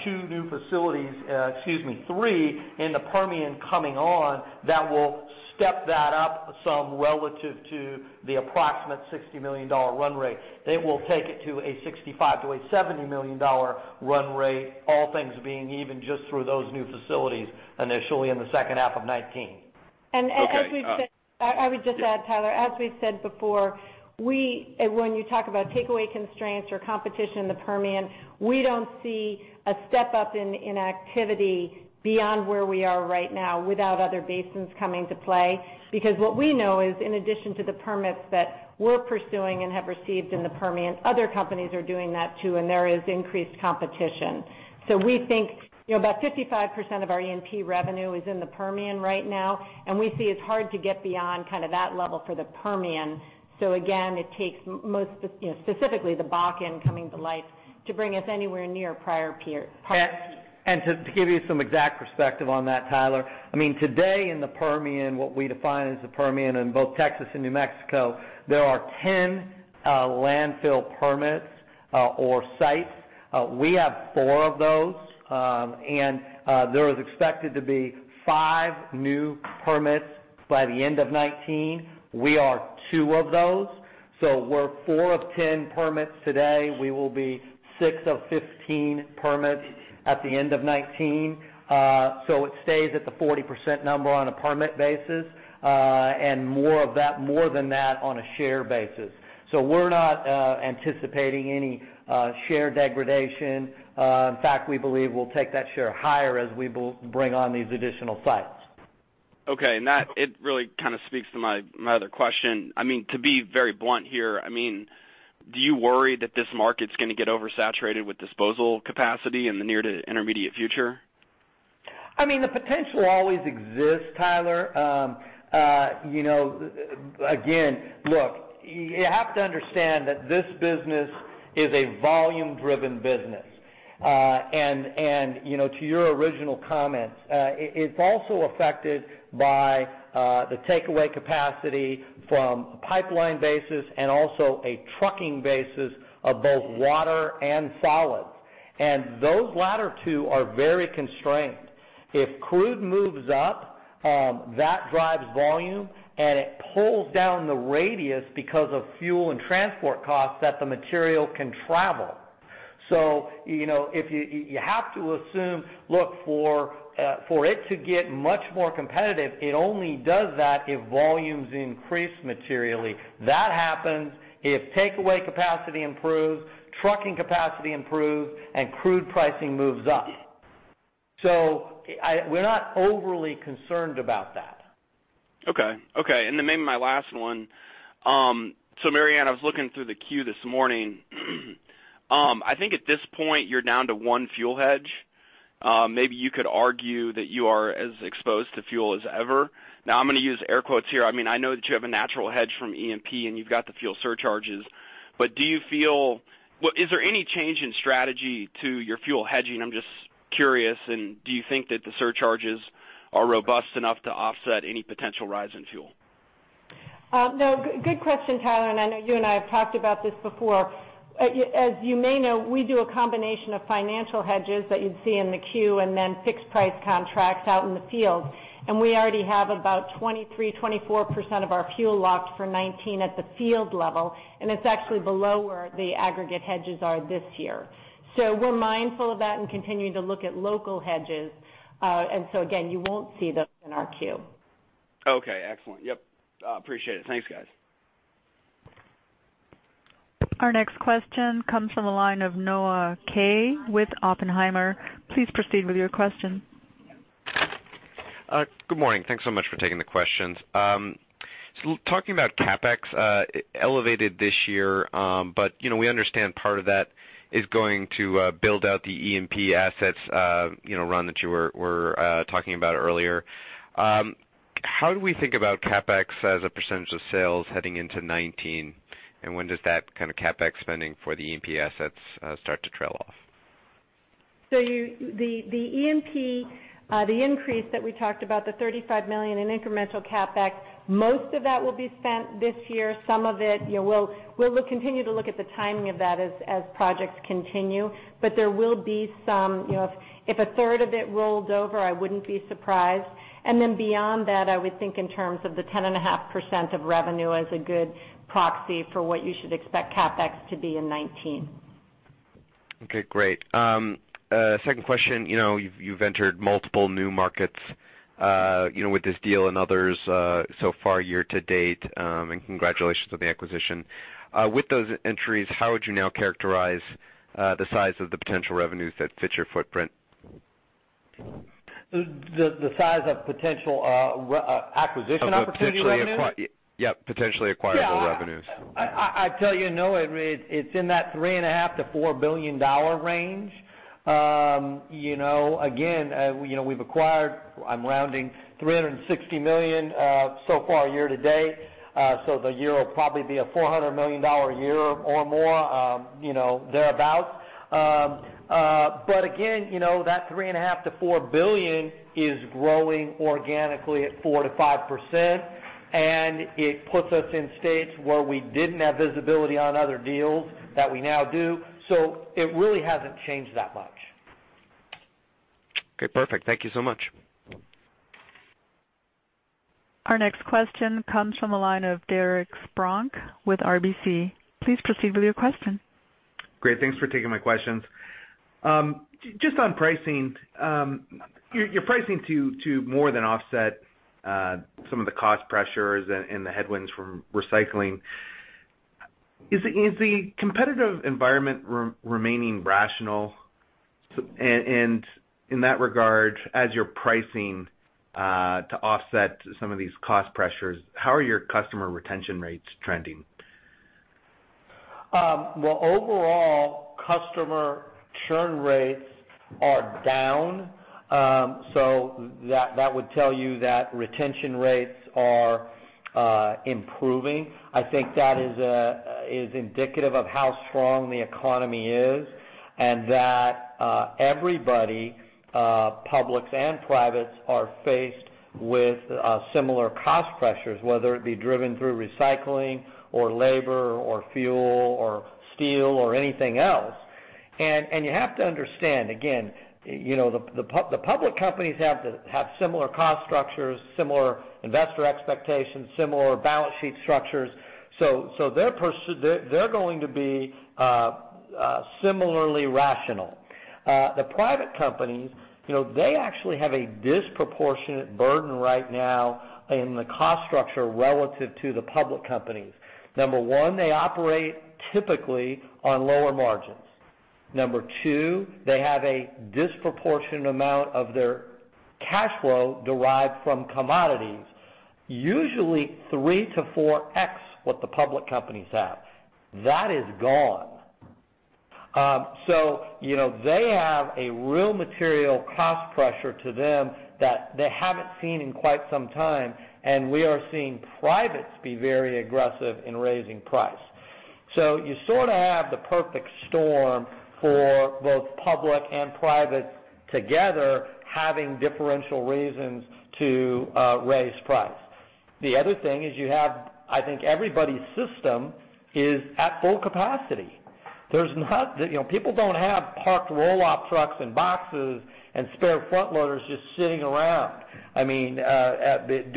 two new facilities, excuse me, three in the Permian coming on that will step that up some relative to the approximate $60 million run rate. It will take it to a $65 million to a $70 million run rate, all things being even just through those new facilities initially in the second half of 2019. As we've said- Okay I would just add Tyler, as we've said before, when you talk about takeaway constraints or competition in the Permian, we don't see a step-up in activity beyond where we are right now without other basins coming to play. What we know is in addition to the permits that we're pursuing and have received in the Permian, other companies are doing that too, and there is increased competition. We think about 55% of our E&P revenue is in the Permian right now, and we see it's hard to get beyond that level for the Permian. Again, it takes most, specifically the Bakken coming to life to bring us anywhere near prior peak. To give you some exact perspective on that, Tyler, today in the Permian, what we define as the Permian in both Texas and New Mexico, there are 10 landfill permits or sites. We have four of those. There is expected to be five new permits by the end of 2019. We are two of those. We're four of 10 permits today. We will be six of 15 permits at the end of 2019. It stays at the 40% number on a permit basis. More than that on a share basis. We're not anticipating any share degradation. In fact, we believe we'll take that share higher as we bring on these additional sites. Okay. That, it really kind of speaks to my other question. To be very blunt here. Do you worry that this market's going to get oversaturated with disposal capacity in the near to intermediate future? The potential always exists, Tyler. Again, look, you have to understand that this business is a volume-driven business. To your original comments, it's also affected by the takeaway capacity from pipeline basis and also a trucking basis of both water and solids. Those latter two are very constrained. If crude moves up, that drives volume, and it pulls down the radius because of fuel and transport costs that the material can travel. You have to assume, look, for it to get much more competitive, it only does that if volumes increase materially. That happens if takeaway capacity improves, trucking capacity improves, and crude pricing moves up. We're not overly concerned about that. Okay. Then maybe my last one. Mary Anne, I was looking through the queue this morning. I think at this point, you're down to one fuel hedge. Maybe you could argue that you are as exposed to fuel as ever. Now, I'm going to use air quotes here. I know that you have a natural hedge from E&P, and you've got the fuel surcharges. Is there any change in strategy to your fuel hedging? I'm just curious. Do you think that the surcharges are robust enough to offset any potential rise in fuel? No. Good question, Tyler, I know you and I have talked about this before. As you may know, we do a combination of financial hedges that you'd see in the queue, then fixed price contracts out in the field. We already have about 23%, 24% of our fuel locked for 2019 at the field level, and it's actually below where the aggregate hedges are this year. We're mindful of that and continuing to look at local hedges. Again, you won't see those in our queue. Okay, excellent. Yep. Appreciate it. Thanks, guys. Our next question comes from the line of Noah Kaye with Oppenheimer. Please proceed with your question. Good morning. Thanks so much for taking the questions. Talking about CapEx, elevated this year. We understand part of that is going to build out the E&P assets, Ron, that you were talking about earlier. How do we think about CapEx as a percentage of sales heading into 2019, and when does that kind of CapEx spending for the E&P assets start to trail off? The E&P, the increase that we talked about, the $35 million in incremental CapEx, most of that will be spent this year. Some of it, we'll continue to look at the timing of that as projects continue. There will be some If a third of it rolled over, I wouldn't be surprised. Beyond that, I would think in terms of the 10.5% of revenue as a good proxy for what you should expect CapEx to be in 2019. Okay, great. Second question. You've entered multiple new markets with this deal and others so far year to date, and congratulations on the acquisition. With those entries, how would you now characterize the size of the potential revenues that fit your footprint? The size of potential acquisition opportunity revenues? Yep, potentially acquirable revenues. I tell you, Noah, it's in that $3.5 billion-$4 billion range. Again, we've acquired, I'm rounding, $360 million so far year to date. The year will probably be a $400 million year or more, thereabout. Again, that $3.5 billion-$4 billion is growing organically at 4%-5%, and it puts us in states where we didn't have visibility on other deals that we now do. It really hasn't changed that much. Okay, perfect. Thank you so much. Our next question comes from the line of Derek Spronck with RBC. Please proceed with your question. Great, thanks for taking my questions. Just on pricing. You're pricing to more than offset some of the cost pressures and the headwinds from recycling. Is the competitive environment remaining rational? In that regard, as you're pricing to offset some of these cost pressures, how are your customer retention rates trending? Well, overall, customer churn rates are down. That would tell you that retention rates are improving. I think that is indicative of how strong the economy is, and that everybody, public and private, are faced with similar cost pressures, whether it be driven through recycling or labor or fuel or steel or anything else. You have to understand, again, the public companies have similar cost structures, similar investor expectations, similar balance sheet structures. They're going to be similarly rational. The private companies, they actually have a disproportionate burden right now in the cost structure relative to the public companies. Number 1, they operate typically on lower margins. Number 2, they have a disproportionate amount of their cash flow derived from commodities. Usually 3x-4x what the public companies have. That is gone. They have a real material cost pressure to them that they haven't seen in quite some time, and we are seeing privates be very aggressive in raising price. You sort of have the perfect storm for both public and private together, having differential reasons to raise price. The other thing is you have, I think everybody's system is at full capacity. People don't have parked roll-off trucks and boxes and spare front loaders just sitting around. Due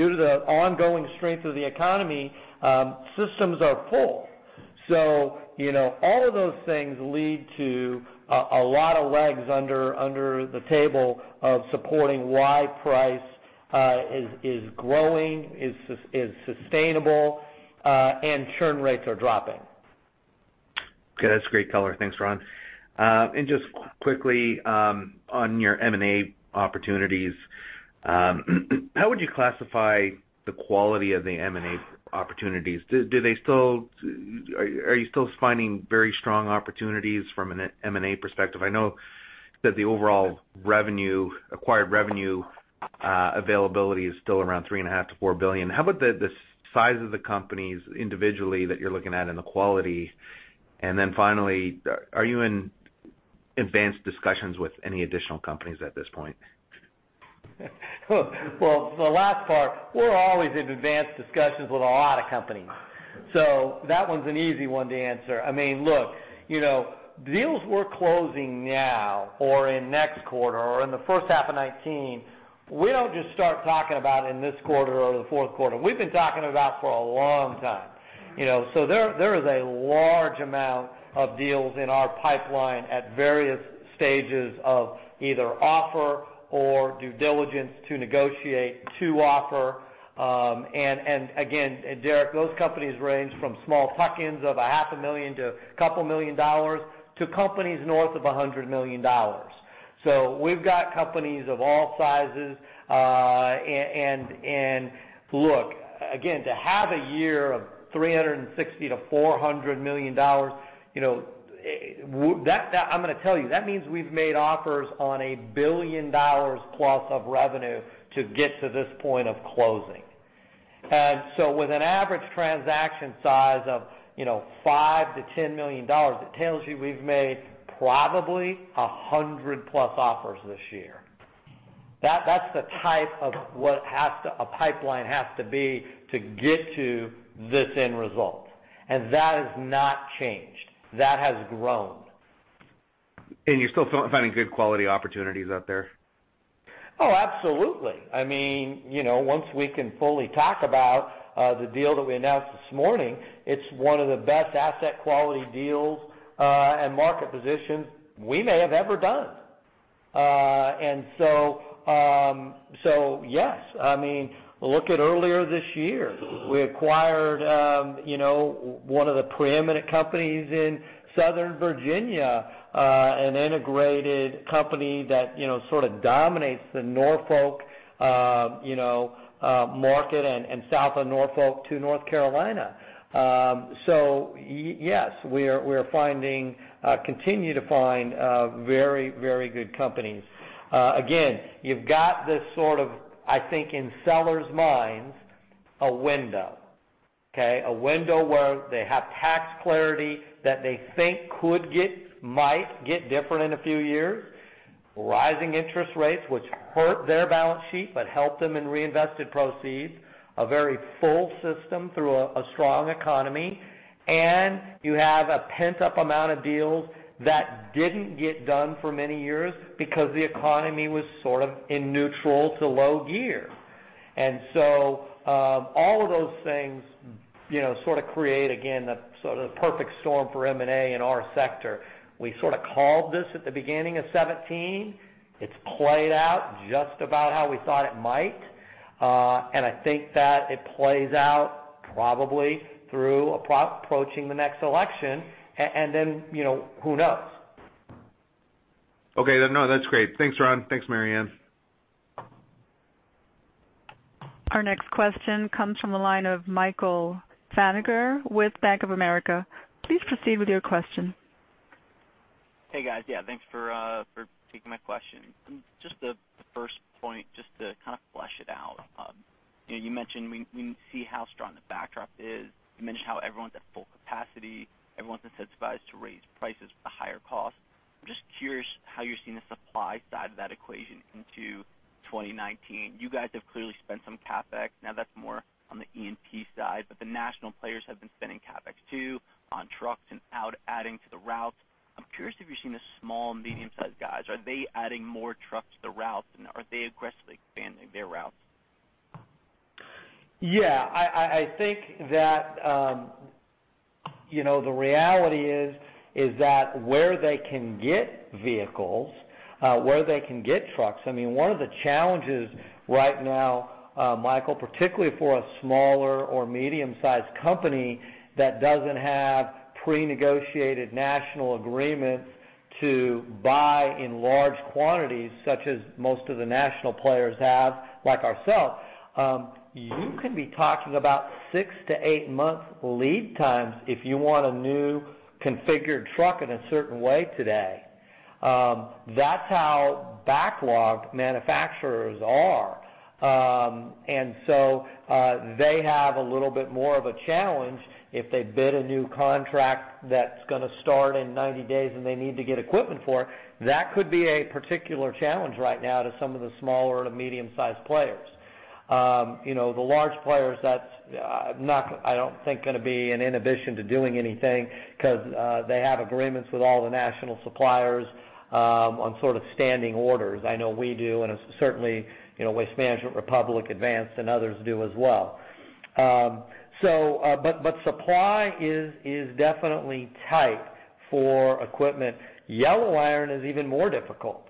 to the ongoing strength of the economy, systems are full. All of those things lead to a lot of legs under the table of supporting why price is growing, is sustainable, and churn rates are dropping. Okay. That's great color. Thanks, Ron. Just quickly, on your M&A opportunities, how would you classify the quality of the M&A opportunities? Are you still finding very strong opportunities from an M&A perspective? I know that the overall acquired revenue availability is still around $3.5 billion-$4 billion. How about the size of the companies individually that you're looking at, and the quality? Finally, are you in advanced discussions with any additional companies at this point? Well, the last part, we're always in advanced discussions with a lot of companies. That one's an easy one to answer. Look, deals we're closing now or in next quarter or in the first half of 2019, we don't just start talking about in this quarter or the fourth quarter. We've been talking about for a long time. There is a large amount of deals in our pipeline at various stages of either offer or due diligence to negotiate, to offer. Again, Derek, those companies range from small pickings of a half a million to a couple million dollars, to companies north of $100 million. We've got companies of all sizes. Look, again, to have a year of $360 million to $400 million, I'm going to tell you, that means we've made offers on $1 billion plus of revenue to get to this point of closing. With an average transaction size of $5 million to $10 million, it tells you we've made probably 100-plus offers this year. That's the type of what a pipeline has to be to get to this end result. That has not changed. That has grown. You're still finding good quality opportunities out there? Oh, absolutely. Once we can fully talk about, the deal that we announced this morning, it's one of the best asset quality deals, and market positions we may have ever done. Yes. Look at earlier this year, we acquired one of the preeminent companies in Southern Virginia, an integrated company that sort of dominates the Norfolk market and south of Norfolk to North Carolina. Yes, we're finding, continue to find very, very good companies. Again, you've got this sort of, I think in sellers' minds, a window, okay? A window where they have tax clarity that they think might get different in a few years. Rising interest rates, which hurt their balance sheet but help them in reinvested proceeds, a very full system through a strong economy. You have a pent-up amount of deals that didn't get done for many years because the economy was sort of in neutral to low gear. All of those things sort of create, again, the sort of perfect storm for M&A in our sector. We sort of called this at the beginning of 2017. It's played out just about how we thought it might. Then, who knows? Okay. No, that's great. Thanks, Ron. Thanks, Mary Anne. Our next question comes from the line of Michael Feniger with Bank of America. Please proceed with your question. Hey, guys. Yeah, thanks for taking my question. Just the first point, just to kind of flesh it out. You mentioned we see how strong the backdrop is. You mentioned how everyone's at full capacity. Everyone's incentivized to raise prices with the higher cost. I'm just curious how you're seeing the supply side of that equation into 2019. You guys have clearly spent some CapEx. Now that's more on the E&P side, but the national players have been spending CapEx too on trucks and out adding to the routes. I'm curious if you're seeing the small and medium-sized guys. Are they adding more trucks to the routes, and are they aggressively expanding their routes? Yeah. I think that the reality is that where they can get vehicles, where they can get trucks. One of the challenges right now, Michael, particularly for a smaller or medium-sized company that doesn't have prenegotiated national agreements to buy in large quantities, such as most of the national players have, like ourselves, you can be talking about six to eight months lead times if you want a new configured truck in a certain way today. That's how backlogged manufacturers are. They have a little bit more of a challenge if they bid a new contract that's going to start in 90 days and they need to get equipment for it. That could be a particular challenge right now to some of the smaller to medium-sized players. The large players, that's, I don't think going to be an inhibition to doing anything, because they have agreements with all the national suppliers on sort of standing orders. I know we do, and certainly, Waste Management, Republic, Advanced and others do as well. Supply is definitely tight for equipment. Yellow iron is even more difficult.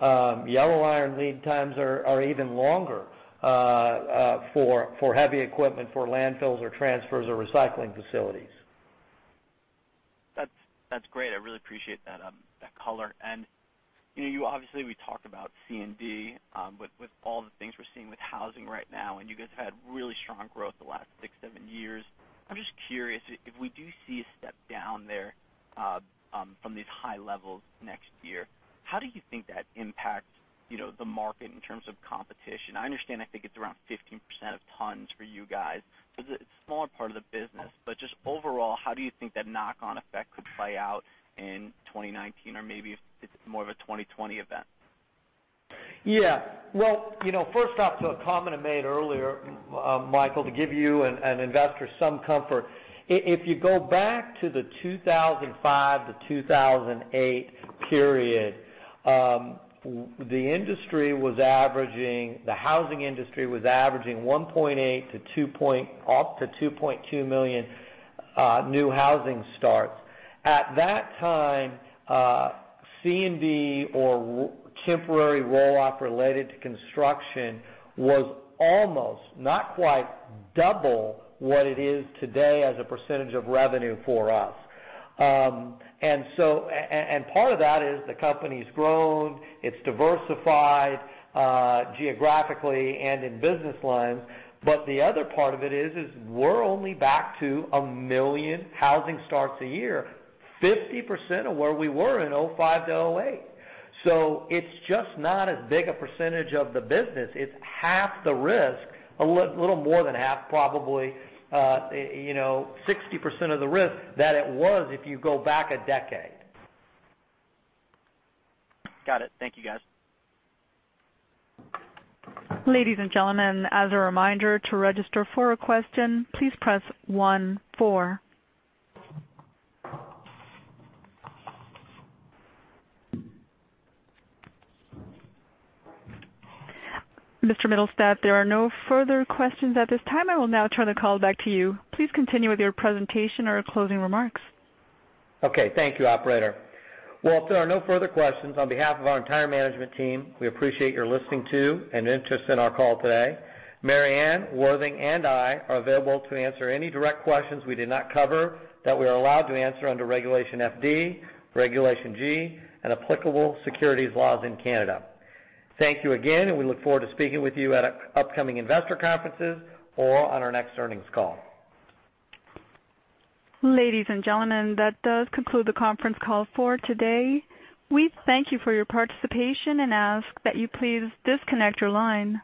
Yellow iron lead times are even longer for heavy equipment for landfills or transfers or recycling facilities. That's great. I really appreciate that color. Obviously, we talked about C&D. With all the things we're seeing with housing right now, you guys have had really strong growth the last six, seven years, I'm just curious, if we do see a step down there from these high levels next year, how do you think that impacts the market in terms of competition? I understand, I think it's around 15% of tons for you guys, so it's a smaller part of the business. Just overall, how do you think that knock-on effect could play out in 2019 or maybe if it's more of a 2020 event? Well, first off, to a comment I made earlier, Michael, to give you and investors some comfort, if you go back to the 2005 to 2008 period, the housing industry was averaging 1.8 up to 2.2 million new housing starts. At that time, C&D or temporary roll-off related to construction was almost, not quite, double what it is today as a percentage of revenue for us. Part of that is the company's grown, it's diversified geographically and in business lines, the other part of it is, we're only back to a million housing starts a year, 50% of where we were in 2005 to 2008. It's just not as big a percentage of the business. It's half the risk, a little more than half, probably, 60% of the risk that it was if you go back a decade. Got it. Thank you, guys. Ladies and gentlemen, as a reminder, to register for a question, please press one, four. Mr. Mittelstaedt, there are no further questions at this time. I will now turn the call back to you. Please continue with your presentation or closing remarks. Okay. Thank you, operator. Well, if there are no further questions, on behalf of our entire management team, we appreciate your listening to and interest in our call today. Mary Anne, Worthing, and I are available to answer any direct questions we did not cover that we are allowed to answer under Regulation FD, Regulation G, and applicable securities laws in Canada. Thank you again, and we look forward to speaking with you at upcoming investor conferences or on our next earnings call. Ladies and gentlemen, that does conclude the conference call for today. We thank you for your participation and ask that you please disconnect your line.